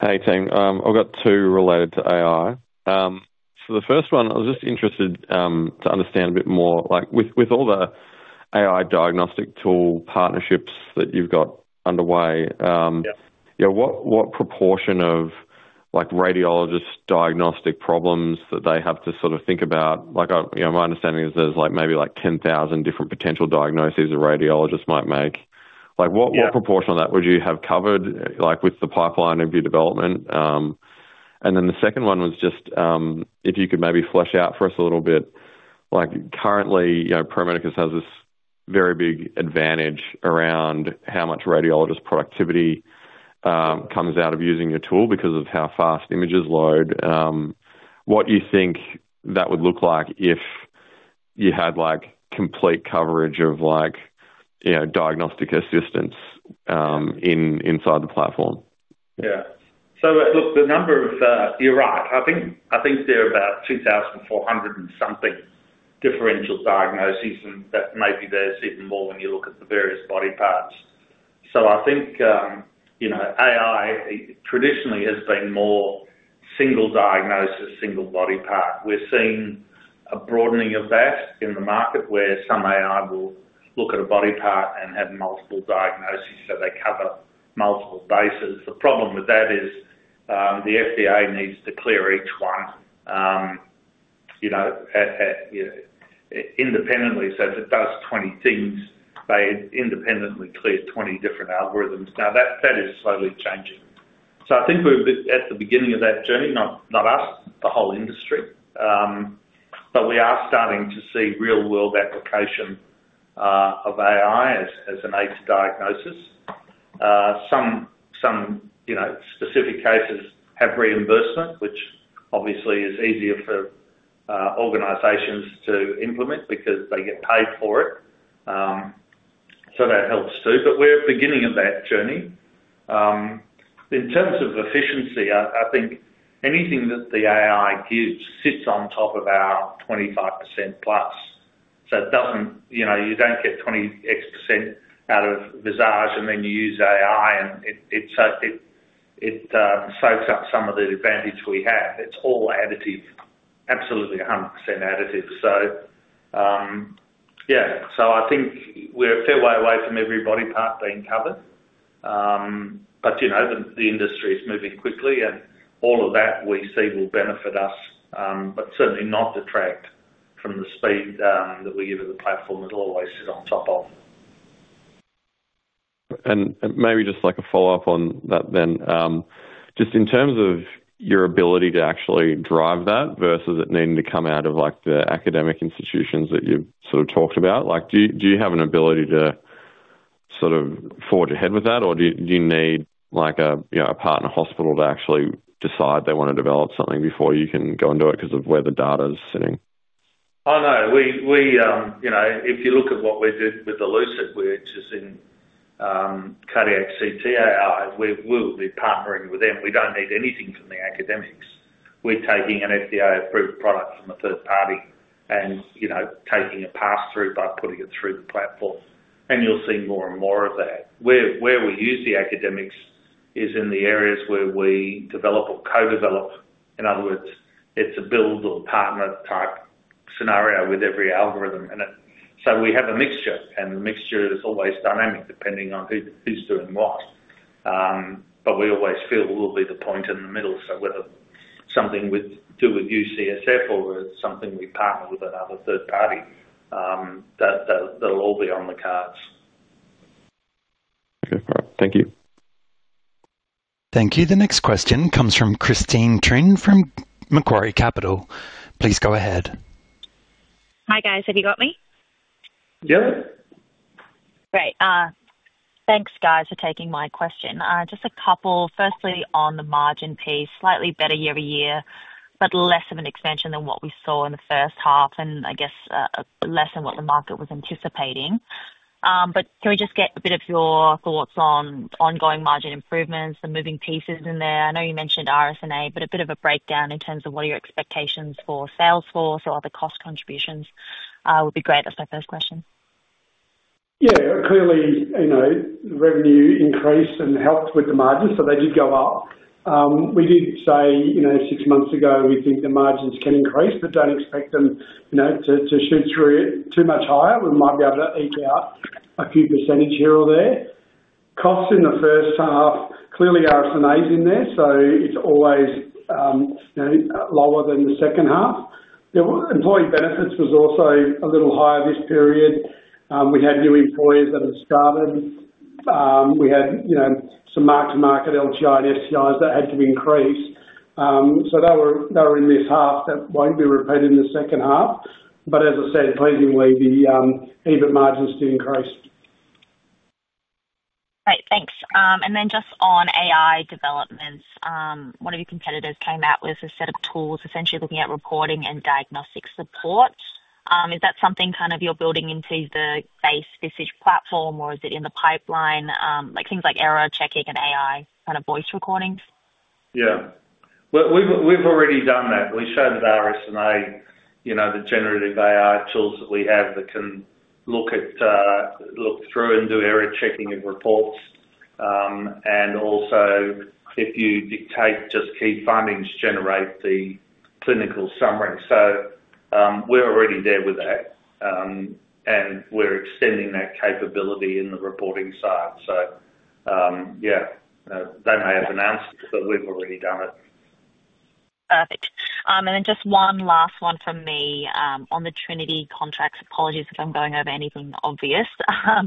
Hey, team. I've got two related to AI. So the first one, I was just interested to understand a bit more, like, with, with all the AI diagnostic tool partnerships that you've got underway, Yep. Yeah, what, what proportion of, like, radiologists' diagnostic problems that they have to sort of think about... Like, I, you know, my understanding is there's, like, maybe, like, 10,000 different potential diagnoses a radiologist might make. Like, what- Yep. What proportion of that would you have covered, like, with the pipeline of your development? And then the second one was just, if you could maybe flesh out for us a little bit, like, currently, you know, Pro Medicus has this very big advantage around how much radiologist productivity comes out of using your tool because of how fast images load. What you think that would look like if you had like complete coverage of like, you know, diagnostic assistance in inside the platform? Yeah. So, look, the number of, you're right, I think there are about 2,400-something differential diagnoses, and that maybe there's even more when you look at the various body parts. So I think, you know, AI traditionally has been more single diagnosis, single body part. We're seeing a broadening of that in the market, where some AI will look at a body part and have multiple diagnoses, so they cover multiple bases. The problem with that is, the FDA needs to clear each one, you know, at, at, you know, independently. So if it does 20 things, they independently clear 20 different algorithms. Now, that, that is slowly changing. So I think we're a bit at the beginning of that journey, not, not us, the whole industry. But we are starting to see real-world application of AI as an aid to diagnosis. Some, you know, specific cases have reimbursement, which obviously is easier for organizations to implement because they get paid for it. So that helps too. But we're at the beginning of that journey. In terms of efficiency, I think anything that the AI gives sits on top of our 25%+. So it doesn't... You know, you don't get 20x percent out of Visage, and then you use AI, and it soaks it, it soaks up some of the advantage we have. It's all additive, absolutely 100% additive. So, yeah, so I think we're a fair way away from every body part being covered. But, you know, the industry is moving quickly, and all of that we see will benefit us, but certainly not detract from the speed that we give as a platform. It'll always sit on top of. And maybe just like a follow-up on that then. Just in terms of your ability to actually drive that versus it needing to come out of, like, the academic institutions that you've sort of talked about. Like, do you, do you have an ability to sort of forge ahead with that, or do you, do you need like a, you know, a partner hospital to actually decide they want to develop something before you can go and do it because of where the data's sitting? Oh, no, you know, if you look at what we did with Elucid, we're just in cardiac CT AI. We'll be partnering with them. We don't need anything from the academics. We're taking an FDA-approved product from a third party and, you know, taking a pass-through by putting it through the platform, and you'll see more and more of that. Where we use the academics is in the areas where we develop or co-develop. In other words, it's a build or partner-type scenario with every algorithm in it. So we have a mixture, and the mixture is always dynamic, depending on who's doing what. But we always feel we'll be the point in the middle. So whether something we do with UCSF or it's something we partner with another third party, that'll all be on the cards. Okay, all right. Thank you. Thank you. The next question comes from Christine Trinh from Macquarie Capital. Please go ahead. Hi, guys. Have you got me? Yep. Great. Thanks, guys, for taking my question. Just a couple. Firstly, on the margin piece, slightly better year-over-year, but less of an expansion than what we saw in the first half, and I guess, less than what the market was anticipating. But can we just get a bit of your thoughts on ongoing margin improvements and moving pieces in there? I know you mentioned RSNA, but a bit of a breakdown in terms of what are your expectations for sales force or other cost contributions, would be great. That's my first question. Yeah, clearly, you know, revenue increased and helped with the margins, so they did go up. We did say, you know, six months ago, we think the margins can increase, but don't expect them, you know, to shoot through it too much higher. We might be able to eke out a few percentage here or there. Costs in the first half, clearly RSNA's in there, so it's always, you know, lower than the second half. The employee benefits was also a little higher this period. We had new employees that have started. We had, you know, some mark-to-market LGI and SGIs that had to increase. So they were in this half. That won't be repeated in the second half, but as I said, pleasingly, the EBIT margins did increase. Great, thanks. And then just on AI developments, one of your competitors came out with a set of tools, essentially looking at reporting and diagnostic support. Is that something kind of you're building into the base Visage platform, or is it in the pipeline? Like, things like error checking and AI, kind of voice recordings. Yeah. Well, we've already done that. We showed at RSNA, you know, the generative AI tools that we have that can look at, look through and do error checking of reports. And also, if you dictate just key findings, generate the clinical summary. So, we're already there with that, and we're extending that capability in the reporting side. So, yeah, they may have announced it, but we've already done it. Perfect. And then just one last one from me, on the Trinity contracts. Apologies if I'm going over anything obvious,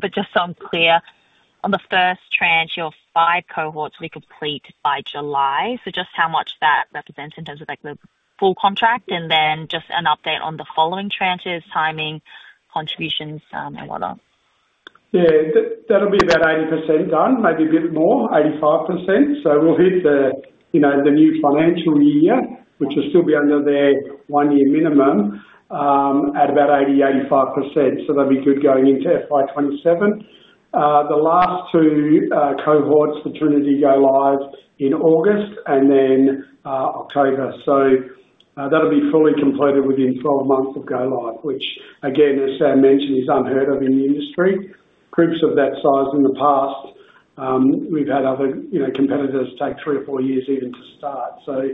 but just so I'm clear, on the first tranche, your five cohorts will be complete by July. So just how much that represents in terms of, like, the full contract, and then just an update on the following tranches, timing, contributions, and whatnot? Yeah, that, that'll be about 80% done, maybe a bit more, 85%. So we'll hit the, you know, the new financial year, which will still be under their one-year minimum, at about 80%,:85%. So that'll be good going into FY 2027. The last two cohorts, the Trinity, go live in August and then October. So, that'll be fully completed within 12 months of go-live, which, again, as Sam mentioned, is unheard of in the industry. Groups of that size in the past, we've had other, you know, competitors take three or four years even to start. So,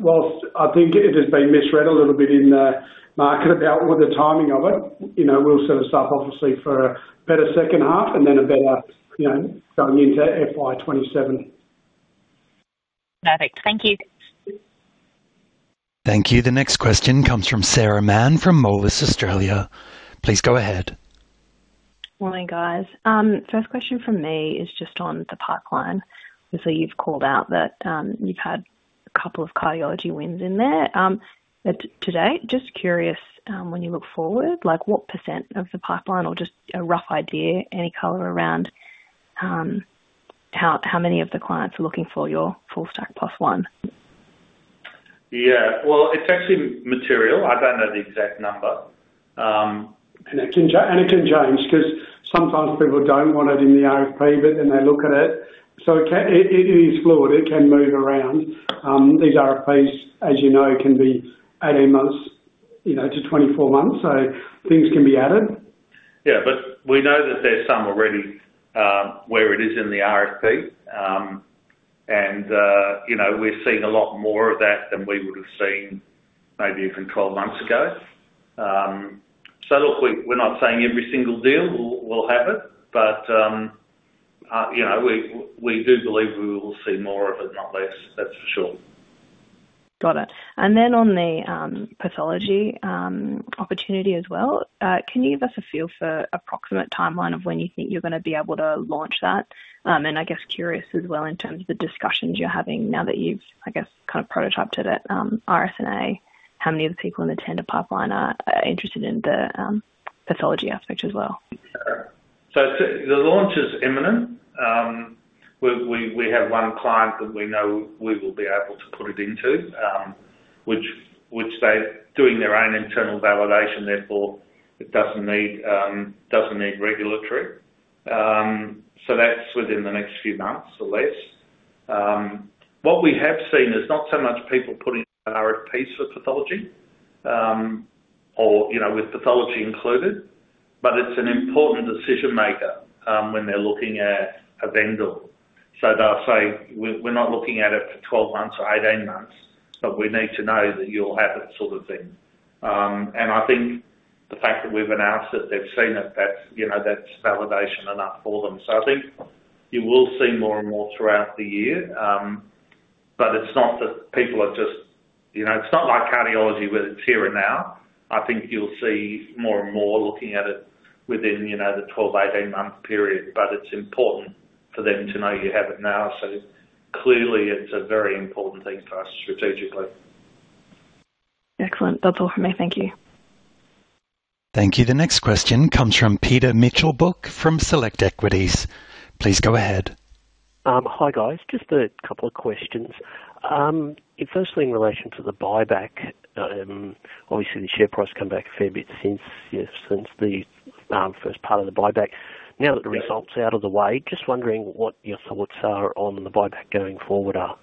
while I think it has been misread a little bit in the market about all the timing of it, you know, we'll set us up obviously for a better second half and then a better, you know, going into FY 2027. Perfect. Thank you. Thank you. The next question comes from Sarah Mann, from Moelis Australia. Please go ahead. Morning, guys. First question from me is just on the pipeline. Obviously, you've called out that, you've had a couple of cardiology wins in there, but today, just curious, when you look forward, like, what percent of the pipeline, or just a rough idea, any color around, how many of the clients are looking for your full stack plus one? Yeah, well, it's actually material. I don't know the exact number. And it can change 'cause sometimes people don't want it in the RFP, but then they look at it. So it can, it is fluid, it can move around. These RFPs, as you know, can be 18 months, you know, to 24 months, so things can be added. Yeah, but we know that there's some already where it is in the RFP. And, you know, we're seeing a lot more of that than we would have seen maybe even 12 months ago. So look, we're not saying every single deal will have it, but, you know, we do believe we will see more of it, not less, that's for sure. Got it. And then on the pathology opportunity as well, can you give us a feel for approximate timeline of when you think you're gonna be able to launch that? And I guess curious as well, in terms of the discussions you're having now that you've, I guess, kind of prototyped it at RSNA, how many of the people in the tender pipeline are interested in the pathology aspect as well? So the launch is imminent. We have one client that we know we will be able to put it into, which they're doing their own internal validation, therefore, it doesn't need regulatory. So that's within the next few months or less. What we have seen is not so much people putting RFPs for pathology, or, you know, with pathology included, but it's an important decision maker, when they're looking at a vendor. So they'll say, "We're not looking at it for 12 months or 18 months, but we need to know that you'll have it," sort of thing. And I think the fact that we've announced it, they've seen it, that's, you know, that's validation enough for them. So I think you will see more and more throughout the year. But it's not that people are just... You know, it's not like cardiology, where it's here and now. I think you'll see more and more looking at it within, you know, the 12-18 month period, but it's important for them to know you have it now. So clearly, it's a very important thing for us strategically. Excellent. That's all from me. Thank you. Thank you. The next question comes from Peter Meichelboeck, from Select Equities. Please go ahead. Hi, guys. Just a couple of questions. Firstly, in relation to the buyback, obviously, the share price come back a fair bit since the first part of the buyback. Now that the result's out of the way, just wondering what your thoughts are on the buyback going forward are?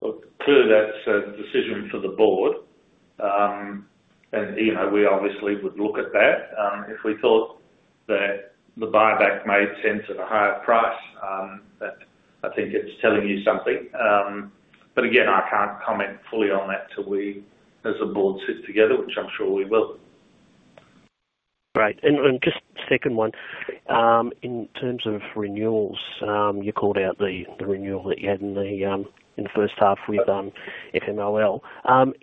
Well, clearly, that's a decision for the board. And, you know, we obviously would look at that, if we thought that the buyback made sense at a higher price, that I think it's telling you something. But again, I can't comment fully on that till we, as a board, sit together, which I'm sure we will. Great. And just second one, in terms of renewals, you called out the renewal that you had in the first half with FMOL.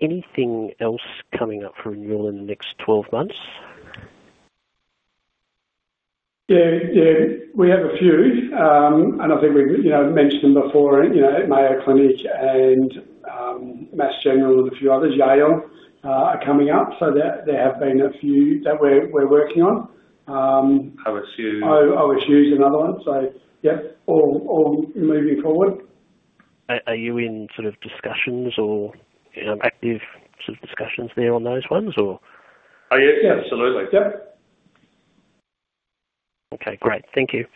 Anything else coming up for renewal in the next 12 months? Yeah, yeah, we have a few, and I think we've, you know, mentioned them before, you know, at Mayo Clinic and, Mass General and a few others, Yale, are coming up. So there have been a few that we're working on. OSU. OSU is another one. So yeah, all, all moving forward. Are you in sort of discussions or, you know, active sort of discussions there on those ones or? Oh, yeah, absolutely. Yep. Okay, great. Thank you.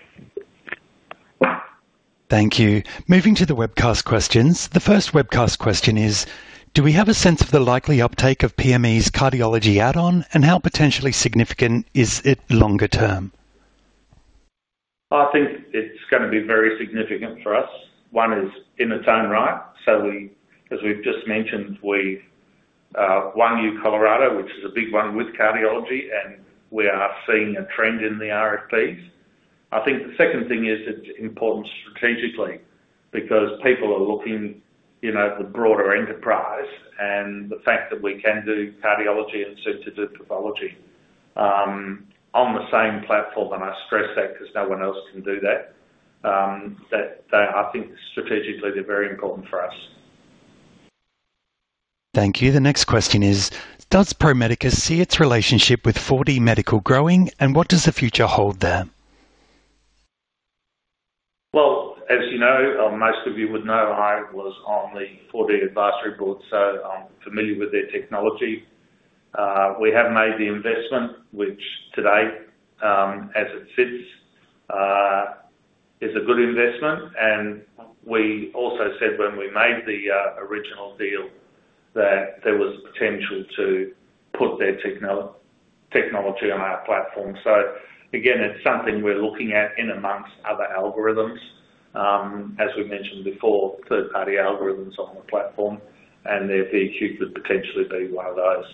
Thank you. Moving to the webcast questions. The first webcast question is: Do we have a sense of the likely uptake of PME's cardiology add-on, and how potentially significant is it longer term? I think it's gonna be very significant for us. One is in its own right, so we, as we've just mentioned, won University of Colorado, which is a big one with cardiology, and we are seeing a trend in the RFPs. I think the second thing is it's important strategically because people are looking, you know, at the broader enterprise and the fact that we can do cardiology and soon to do pathology, on the same platform, and I stress that 'cause no one else can do that. That, I think strategically, they're very important for us. Thank you. The next question is: Does Pro Medicus see its relationship with 4DMedical growing, and what does the future hold there? Well, as you know, or most of you would know, I was on the 4D advisory board, so I'm familiar with their technology. We have made the investment, which today, as it sits, is a good investment. And we also said when we made the original deal that there was potential to put their technology on our platform. So again, it's something we're looking at in amongst other algorithms. As we mentioned before, third-party algorithms on the platform and their VQ could potentially be one of those.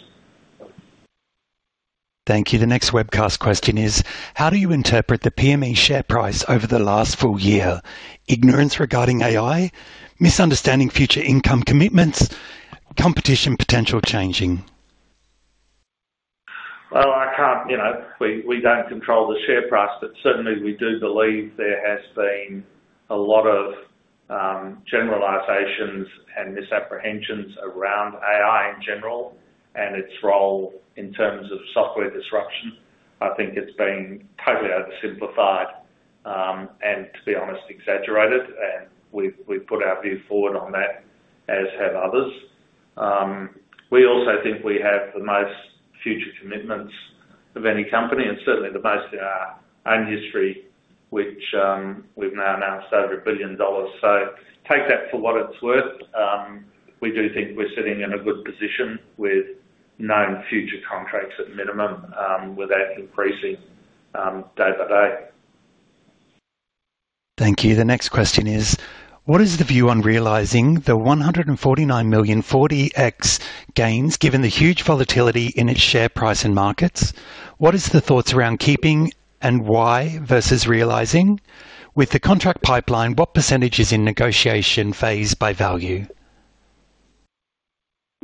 Thank you. The next webcast question is: How do you interpret the PME share price over the last full year? Ignorance regarding AI, misunderstanding future income commitments, competition potential changing? Well, I can't, you know, we, we don't control the share price, but certainly we do believe there has been a lot of generalizations and misapprehensions around AI in general and its role in terms of software disruption. I think it's been totally oversimplified, and to be honest, exaggerated, and we've, we've put our view forward on that, as have others. We also think we have the most future commitments of any company and certainly the most in our own history, which we've now announced over 1 billion dollars. So take that for what it's worth. We do think we're sitting in a good position with known future contracts at minimum, with that increasing day by day. Thank you. The next question is: What is the view on realizing the 149 million 4DX gains, given the huge volatility in its share price and markets? What is the thoughts around keeping and why versus realizing? With the contract pipeline, what percentage is in negotiation phase by value?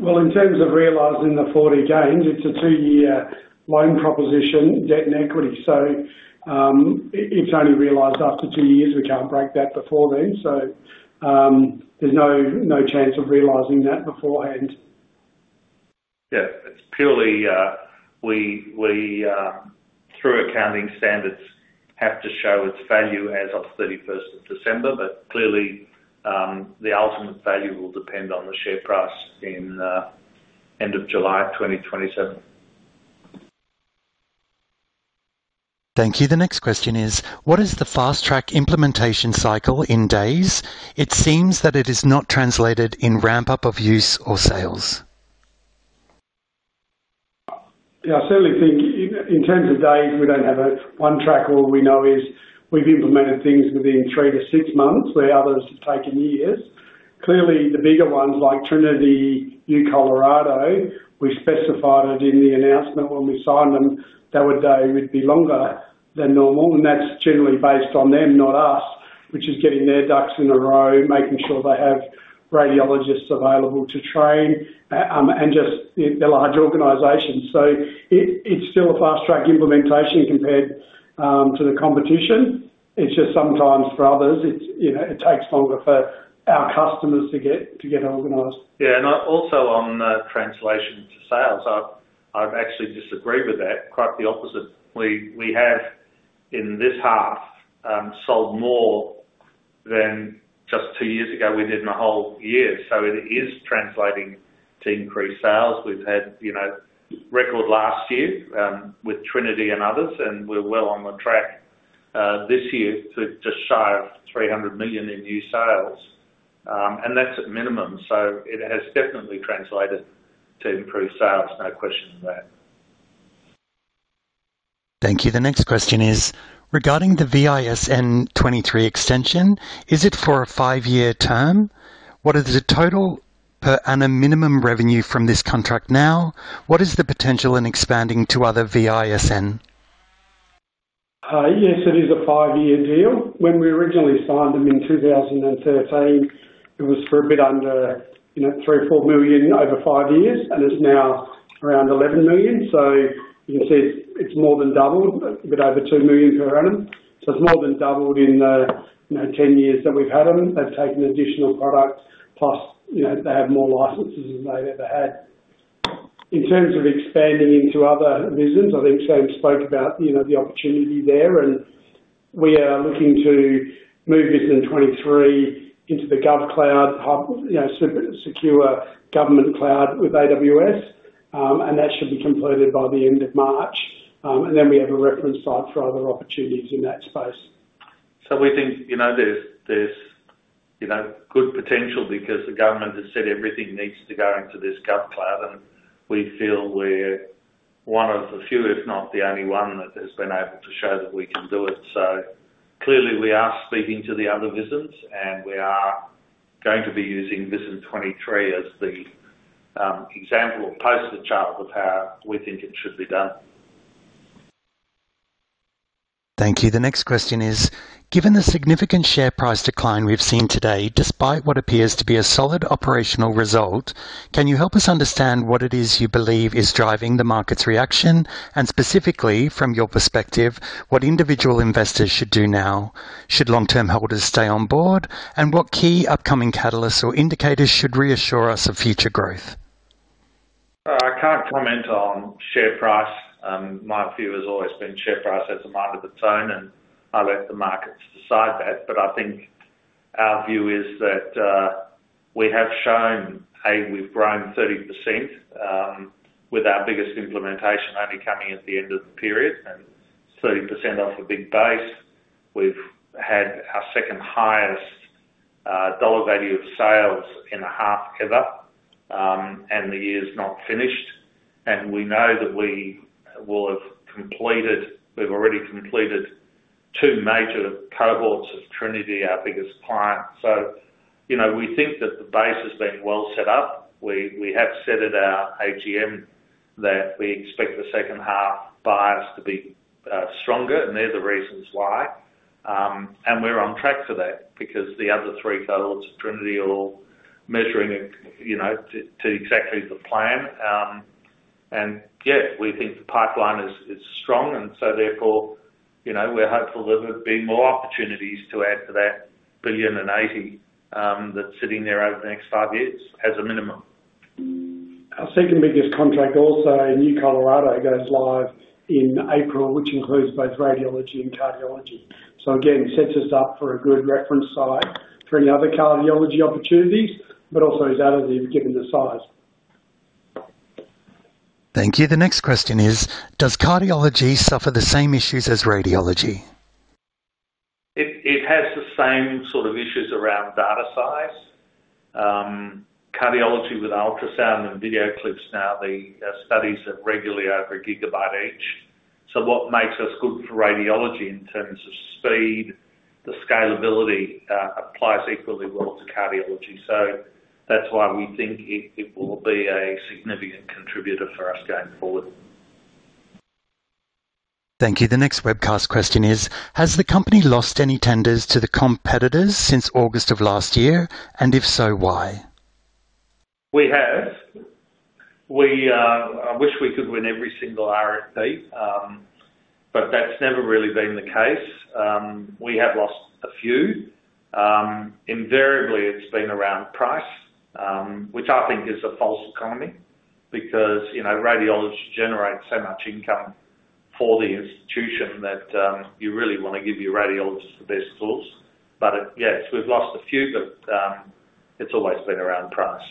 Well, in terms of realizing the 40 gains, it's a two-year loan proposition, debt and equity. So, it's only realized after two years. We can't break that before then, so, there's no, no chance of realizing that beforehand. Yeah, it's purely we, through accounting standards, have to show its value as of 31st of December, but clearly, the ultimate value will depend on the share price in end of July 2027. Thank you. The next question is: What is the fast track implementation cycle in days? It seems that it is not translated in ramp-up of use or sales. Yeah, I certainly think in terms of days, we don't have a one track. All we know is we've implemented things within three to six months, where others have taken years. Clearly, the bigger ones, like Trinity Health, UCHealth Colorado, we specified it in the announcement when we signed them, that would they would be longer than normal, and that's generally based on them, not us, which is getting their ducks in a row, making sure they have radiologists available to train, and just the large organization. So it, it's still a fast-track implementation compared to the competition. It's just sometimes for others, it's, you know, it takes longer for our customers to get, to get organized. Yeah, and also on translation to sales, I actually disagree with that. Quite the opposite. We have, in this half, sold more than just two years ago, we did in a whole year. So it is translating to increased sales. We've had, you know, record last year with Trinity and others, and we're well on the track this year to just shy of $300 million in new sales. And that's at minimum. So it has definitely translated to improved sales, no question on that. Thank you. The next question is: Regarding the VISN23 extension, is it for a five-year term? What is the total per annum minimum revenue from this contract now? What is the potential in expanding to other VISN? Yes, it is a five-year deal. When we originally signed them in 2013, it was for a bit under, you know, $3-million-$4 million over five years, and it's now around $11 million. So you can see it's more than doubled, a bit over $2 million per annum. So it's more than doubled in the, you know, 10 years that we've had them. They've taken additional products, plus, you know, they have more licenses than they've ever had. In terms of expanding into other VISNs, I think Sam spoke about, you know, the opportunity there, and we are looking to move VISN23 into the GovCloud, you know, secure government cloud with AWS. And that should be completed by the end of March. And then we have a reference site for other opportunities in that space. So we think, you know, there's you know, good potential because the government has said everything needs to go into this GovCloud, and we feel we're one of the few, if not the only one, that has been able to show that we can do it. So clearly, we are speaking to the other VISNs, and we are going to be using VISN23 as the example or poster child of how we think it should be done. Thank you. The next question is: Given the significant share price decline we've seen today, despite what appears to be a solid operational result, can you help us understand what it is you believe is driving the market's reaction, and specifically from your perspective, what individual investors should do now? Should long-term holders stay on board, and what key upcoming catalysts or indicators should reassure us of future growth? I comment on share price. My view has always been share price has a mind of its own, and I let the markets decide that. But I think our view is that we have shown, we've grown 30%, with our biggest implementation only coming at the end of the period, and 30% off a big base. We've had our second highest dollar value of sales in a half ever, and the year is not finished, and we know that we will have completed—we've already completed twonmajor cohorts of Trinity, our biggest client. So, you know, we think that the base has been well set up. We have said at our AGM that we expect the second half buyers to be stronger, and they're the reasons why. We're on track for that because the other three cohorts of Trinity are all measuring, you know, to exactly the plan. Yeah, we think the pipeline is strong, and so therefore, you know, we're hopeful there will be more opportunities to add to that $1.08 billion that's sitting there over the next five years as a minimum. Our second biggest contract, also in UCHealth Colorado, goes live in April, which includes both radiology and cardiology. So again, sets us up for a good reference site for any other cardiology opportunities, but also is out of the... given the size. Thank you. The next question is: Does cardiology suffer the same issues as radiology? It, it has the same sort of issues around data size. Cardiology with ultrasound and video clips now, the studies are regularly over 1 GB each. So what makes us good for radiology in terms of speed, the scalability, applies equally well to cardiology. So that's why we think it, it will be a significant contributor for us going forward. Thank you. The next webcast question is: Has the company lost any tenders to the competitors since August of last year? And if so, why? We have. We, I wish we could win every single RFP, but that's never really been the case. We have lost a few. Invariably, it's been around price, which I think is a false economy because, you know, radiologists generate so much income for the institution that you really want to give your radiologists the best tools. But, yes, we've lost a few, but it's always been around price.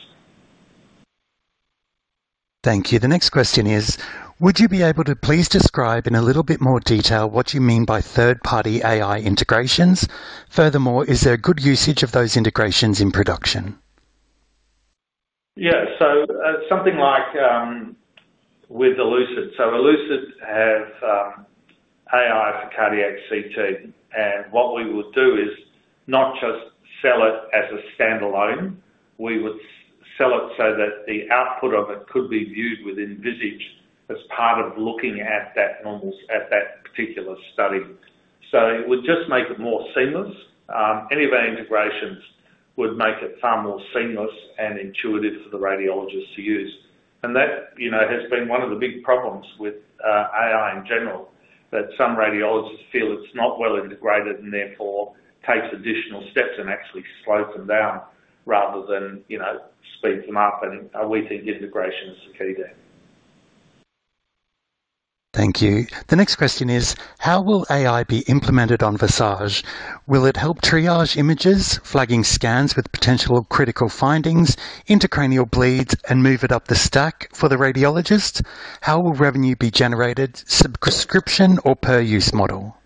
Thank you. The next question is: Would you be able to please describe in a little bit more detail what you mean by third-party AI integrations? Furthermore, is there a good usage of those integrations in production? Yeah. So, something like with Elucid. So Elucid have AI for cardiac CT, and what we would do is not just sell it as a standalone. We would sell it so that the output of it could be viewed within Visage as part of looking at that particular study. So it would just make it more seamless. Any of our integrations would make it far more seamless and intuitive for the radiologists to use. And that, you know, has been one of the big problems with AI in general, that some radiologists feel it's not well integrated and therefore takes additional steps and actually slows them down rather than, you know, speeds them up, and we think integration is the key there. Thank you. The next question is: How will AI be implemented on Visage? Will it help triage images, flagging scans with potential critical findings, intracranial bleeds, and move it up the stack for the radiologist? How will revenue be generated, subscription or per-use model?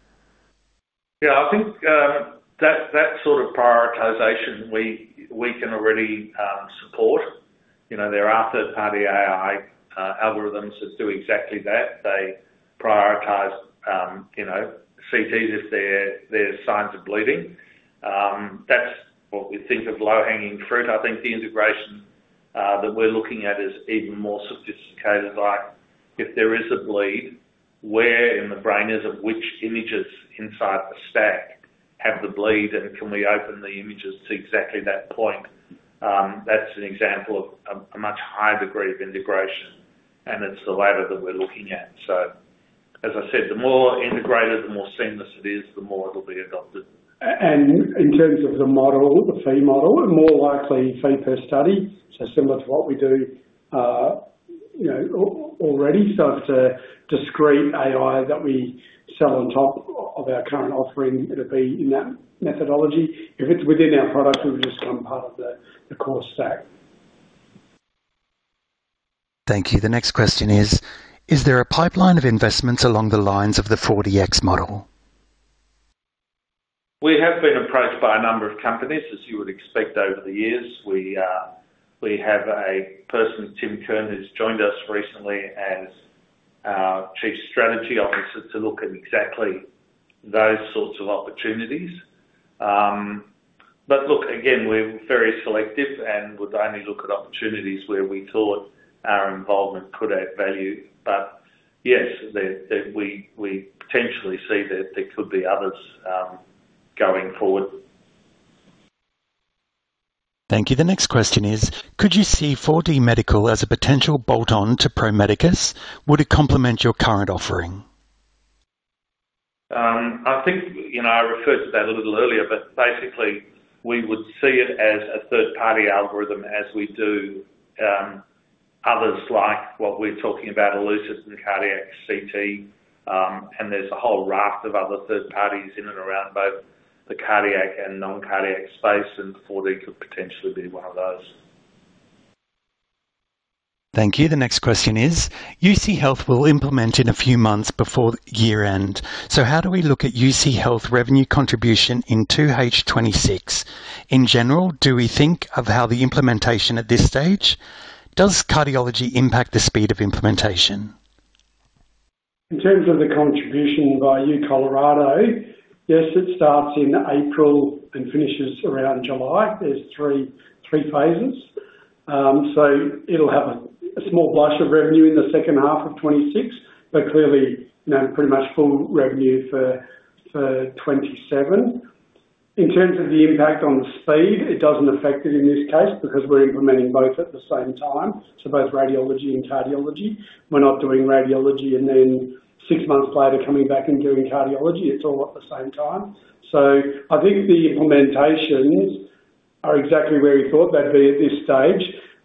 Yeah, I think that sort of prioritization we can already support. You know, there are third-party AI algorithms that do exactly that. They prioritize, you know, CTs if there's signs of bleeding. That's what we think of low-hanging fruit. I think the integration that we're looking at is even more sophisticated, like, if there is a bleed, where in the brain is it? Which images inside the stack have the bleed, and can we open the images to exactly that point? That's an example of a much higher degree of integration, and it's the latter that we're looking at. So as I said, the more integrated, the more seamless it is, the more it'll be adopted. And in terms of the model, the fee model, more likely fee per study, so similar to what we do, you know, already. So if it's a discrete AI that we sell on top of our current offering, it'll be in that methodology. If it's within our product, it will just become part of the core stack. Thank you. The next question is: Is there a pipeline of investments along the lines of the 4DX model? We have been approached by a number of companies, as you would expect, over the years. We have a person, Tim Kern, who's joined us recently as our Chief Strategy Officer to look at exactly those sorts of opportunities. But look, again, we're very selective and would only look at opportunities where we thought our involvement could add value. But yes, we potentially see that there could be others going forward. Thank you. The next question is: Could you see 4DMedical as a potential bolt-on to Pro Medicus? Would it complement your current offering? I think, you know, I referred to that a little earlier, but basically we would see it as a third-party algorithm as we do, others, like what we're talking about Elucid and Cardiac CT. And there's a whole raft of other third parties in and around both the cardiac and non-cardiac space, and 4D could potentially be one of those. Thank you. The next question is: UC Health will implement in a few months before year-end, so how do we look at UC Health revenue contribution in 2H 2026? In general, do we think of how the implementation at this stage, does cardiology impact the speed of implementation? In terms of the contribution by U Colorado, yes, it starts in April and finishes around July. There's three phases. So it'll have a small blush of revenue in the second half of 2026, but clearly, you know, pretty much full revenue for 2027. In terms of the impact on speed, it doesn't affect it in this case because we're implementing both at the same time, so both radiology and cardiology. We're not doing radiology and then six months later coming back and doing cardiology. It's all at the same time. So I think the implementations are exactly where we thought they'd be at this stage,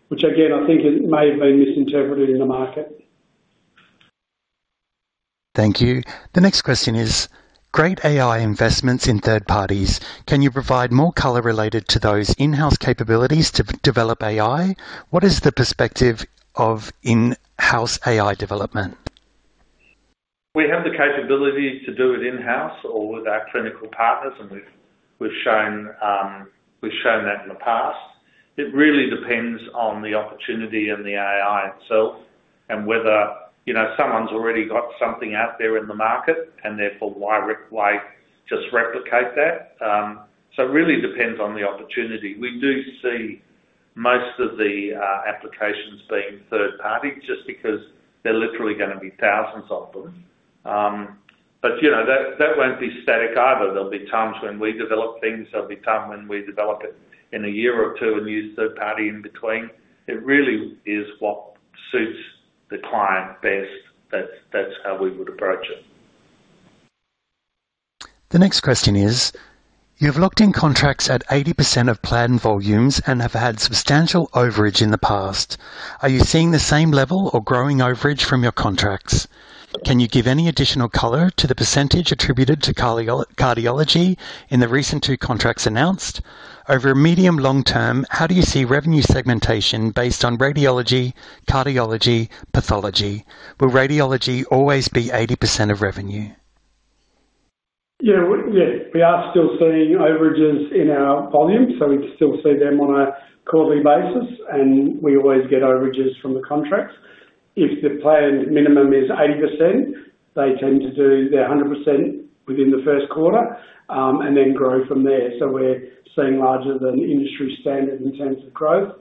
which again, I think it may have been misinterpreted in the market. Thank you. The next question is: Great AI investments in third parties. Can you provide more color related to those in-house capabilities to develop AI? What is the perspective of in-house AI development? We have the capabilities to do it in-house or with our clinical partners, and we've shown that in the past. It really depends on the opportunity and the AI itself and whether, you know, someone's already got something out there in the market and therefore, why just replicate that? So it really depends on the opportunity. We do see most of the applications being third-party, just because they're literally gonna be thousands of them. But, you know, that won't be static either. There'll be times when we develop things. There'll be time when we develop it in a year or two and use third party in between. It really is what suits the client best. That's how we would approach it. The next question is: You've locked in contracts at 80% of planned volumes and have had substantial overage in the past. Are you seeing the same level or growing overage from your contracts? Can you give any additional color to the percentage attributed to cardiology in the recent two contracts announced? Over a medium, long term, how do you see revenue segmentation based on radiology, cardiology, pathology? Will radiology always be 80% of revenue? Yeah, we are still seeing overages in our volumes, so we still see them on a quarterly basis, and we always get overages from the contracts. If the planned minimum is 80%, they tend to do their 100% within the first quarter, and then grow from there. So we're seeing larger than industry standard in terms of growth.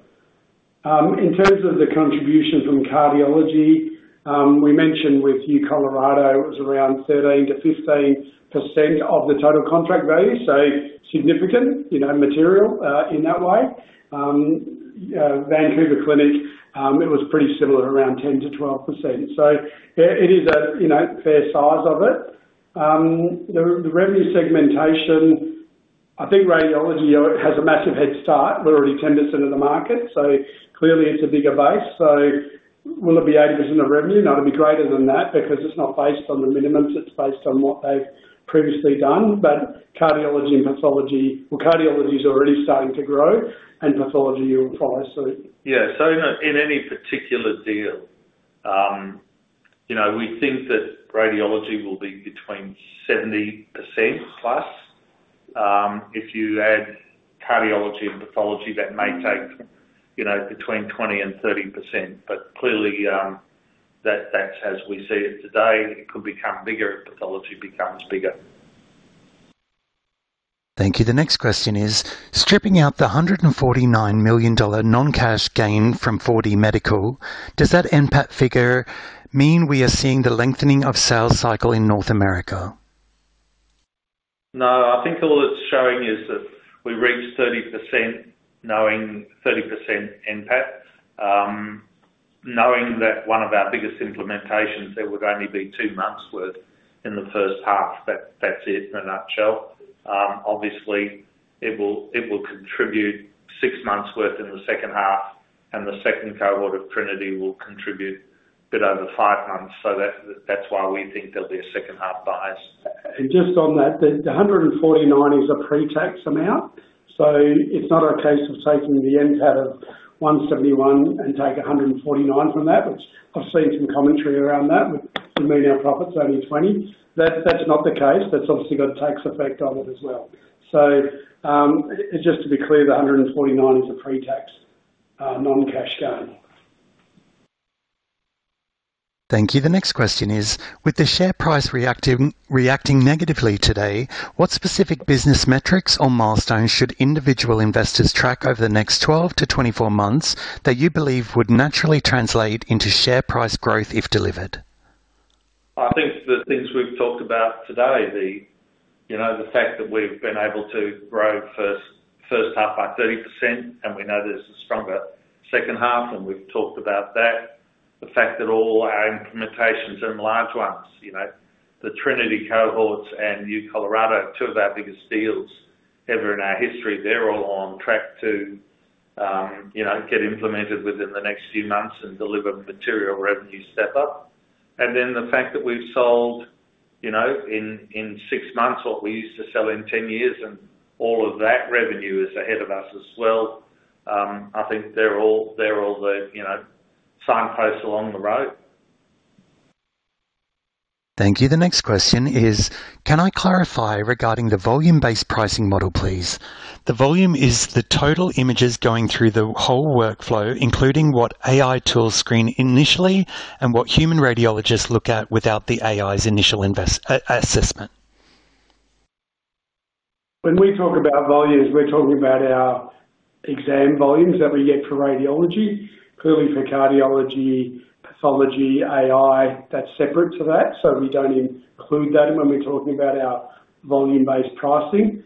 In terms of the contribution from cardiology, we mentioned with U Colorado, it was around 13%-15% of the total contract value, so significant, you know, material, in that way. Vancouver Clinic, it was pretty similar, around 10%-12%. So yeah, it is a, you know, fair size of it. The revenue segmentation, I think radiology has a massive head start. We're already 10% of the market, so clearly it's a bigger base. So will it be 80% of revenue? No, it'll be greater than that because it's not based on the minimums, it's based on what they've previously done. But cardiology and pathology. Well, cardiology is already starting to grow and pathology will follow, so. Yeah. So in any particular deal, you know, we think that radiology will be between 70%+. If you add cardiology and pathology, that may take, you know, between 20%-30%. But clearly, that, that's as we see it today, it could become bigger if pathology becomes bigger. Thank you. The next question is: Stripping out the $149 million non-cash gain from 4DMedical, does that NPAT figure mean we are seeing the lengthening of sales cycle in North America? No, I think all it's showing is that we reached 30%, knowing 30% NPAT. Knowing that one of our biggest implementations, there would only be two months worth in the first half. That's it in a nutshell. Obviously, it will contribute six months worth in the second half, and the second cohort of Trinity will contribute a bit over five months. So that's why we think there'll be a second half bias. Just on that, the 149 million is a pre-tax amount, so it's not a case of taking the NPAT of 171 million and take a 149 million from that. But I've seen some commentary around that with the AUD 20 million profits, only 20 million. That, that's not the case. That's obviously got a tax effect on it as well. Just to be clear, the 149 million is a pre-tax, non-cash gain. Thank you. The next question is: With the share price reacting, reacting negatively today, what specific business metrics or milestones should individual investors track over the next 12-24 months that you believe would naturally translate into share price growth if delivered? I think the things we've talked about today. You know, the fact that we've been able to grow first half by 30%, and we know there's a stronger second half, and we've talked about that. The fact that all our implementations are large ones, you know. The Trinity Health and UCHealth Colorado, two of our biggest deals ever in our history, they're all on track to, you know, get implemented within the next few months and deliver material revenue step up. And then the fact that we've sold, you know, in, in six months, what we used to sell in 10 years, and all of that revenue is ahead of us as well. I think they're all, they're all the, you know, signposts along the road. Thank you. The next question is: Can I clarify regarding the volume-based pricing model, please? The volume is the total images going through the whole workflow, including what AI tools screen initially and what human radiologists look at without the AI's initial assessment. When we talk about volumes, we're talking about our exam volumes that we get for radiology. Clearly, for cardiology, pathology, AI, that's separate to that, so we don't include that when we're talking about our volume-based pricing.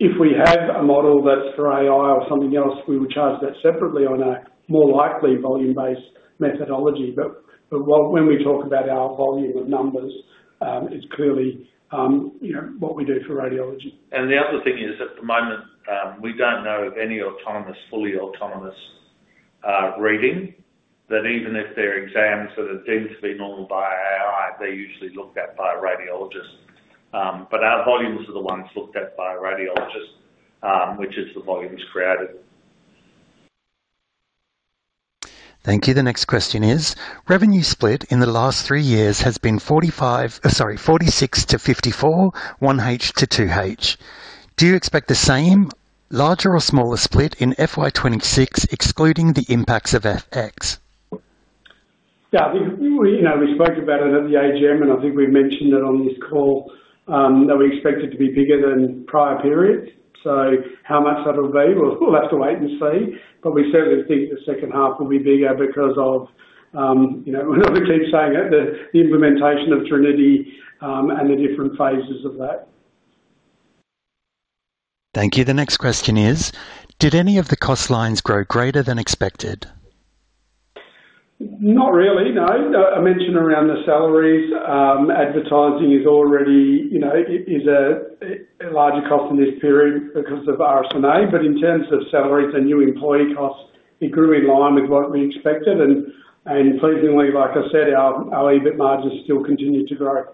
If we have a model that's for AI or something else, we would charge that separately on a more likely volume-based methodology. But when we talk about our volume of numbers, it's clearly, you know, what we do for radiology. And the other thing is, at the moment, we don't know of any autonomous, fully autonomous, reading. That even if they're exams that are deemed to be normal by AI, they're usually looked at by a radiologist. But our volumes are the ones looked at by a radiologist, which is the volumes created. Thank you. The next question is: Revenue split in the last three years has been 46%-54%, 1H to 2H. Do you expect the same, larger or smaller split in FY 2026, excluding the impacts of FX? Yeah, we you know, we spoke about it at the AGM, and I think we mentioned it on this call, that we expect it to be bigger than prior periods. So how much that'll be, we'll have to wait and see, but we certainly think the second half will be bigger because of, you know, we keep saying it, the implementation of Trinity, and the different phases of that. Thank you. The next question is: Did any of the cost lines grow greater than expected? Not really, no. I mentioned around the salaries. Advertising is already, you know, a larger cost in this period because of RSNA, but in terms of salaries and new employee costs, it grew in line with what we expected. And pleasingly, like I said, our EBIT margins still continue to grow.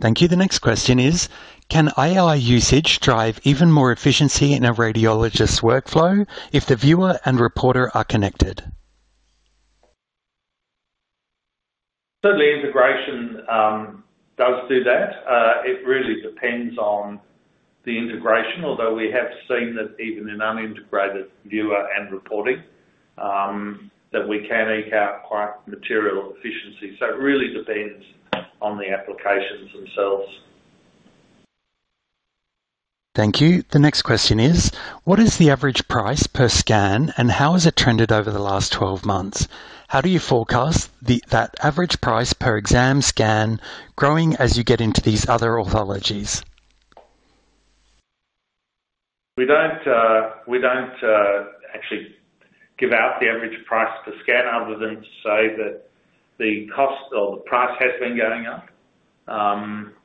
Thank you. The next question is: Can AI usage drive even more efficiency in a radiologist's workflow if the viewer and reporter are connected? Certainly, integration does do that. It really depends on the integration, although we have seen that even in unintegrated viewer and reporting, that we can eke out quite material efficiency. So it really depends on the applications themselves. Thank you. The next question is: What is the average price per scan, and how has it trended over the last 12 months? How do you forecast that average price per exam scan growing as you get into these other pathologies? We don't actually give out the average price per scan other than to say that the cost or the price has been going up over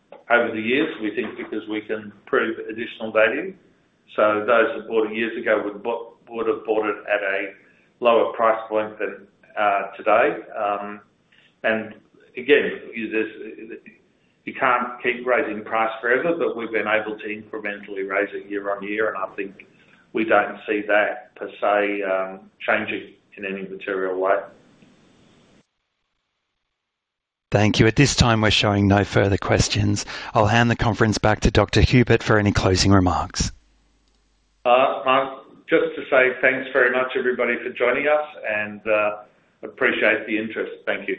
the years, we think because we can prove additional value. So those supporting years ago would have bought it at a lower price point than today. And again, you just... You can't keep raising price forever, but we've been able to incrementally raise it year on year, and I think we don't see that per se changing in any material way. Thank you. At this time, we're showing no further questions. I'll hand the conference back to Dr. Hupert for any closing remarks. Just to say thanks very much, everybody, for joining us, and appreciate the interest. Thank you.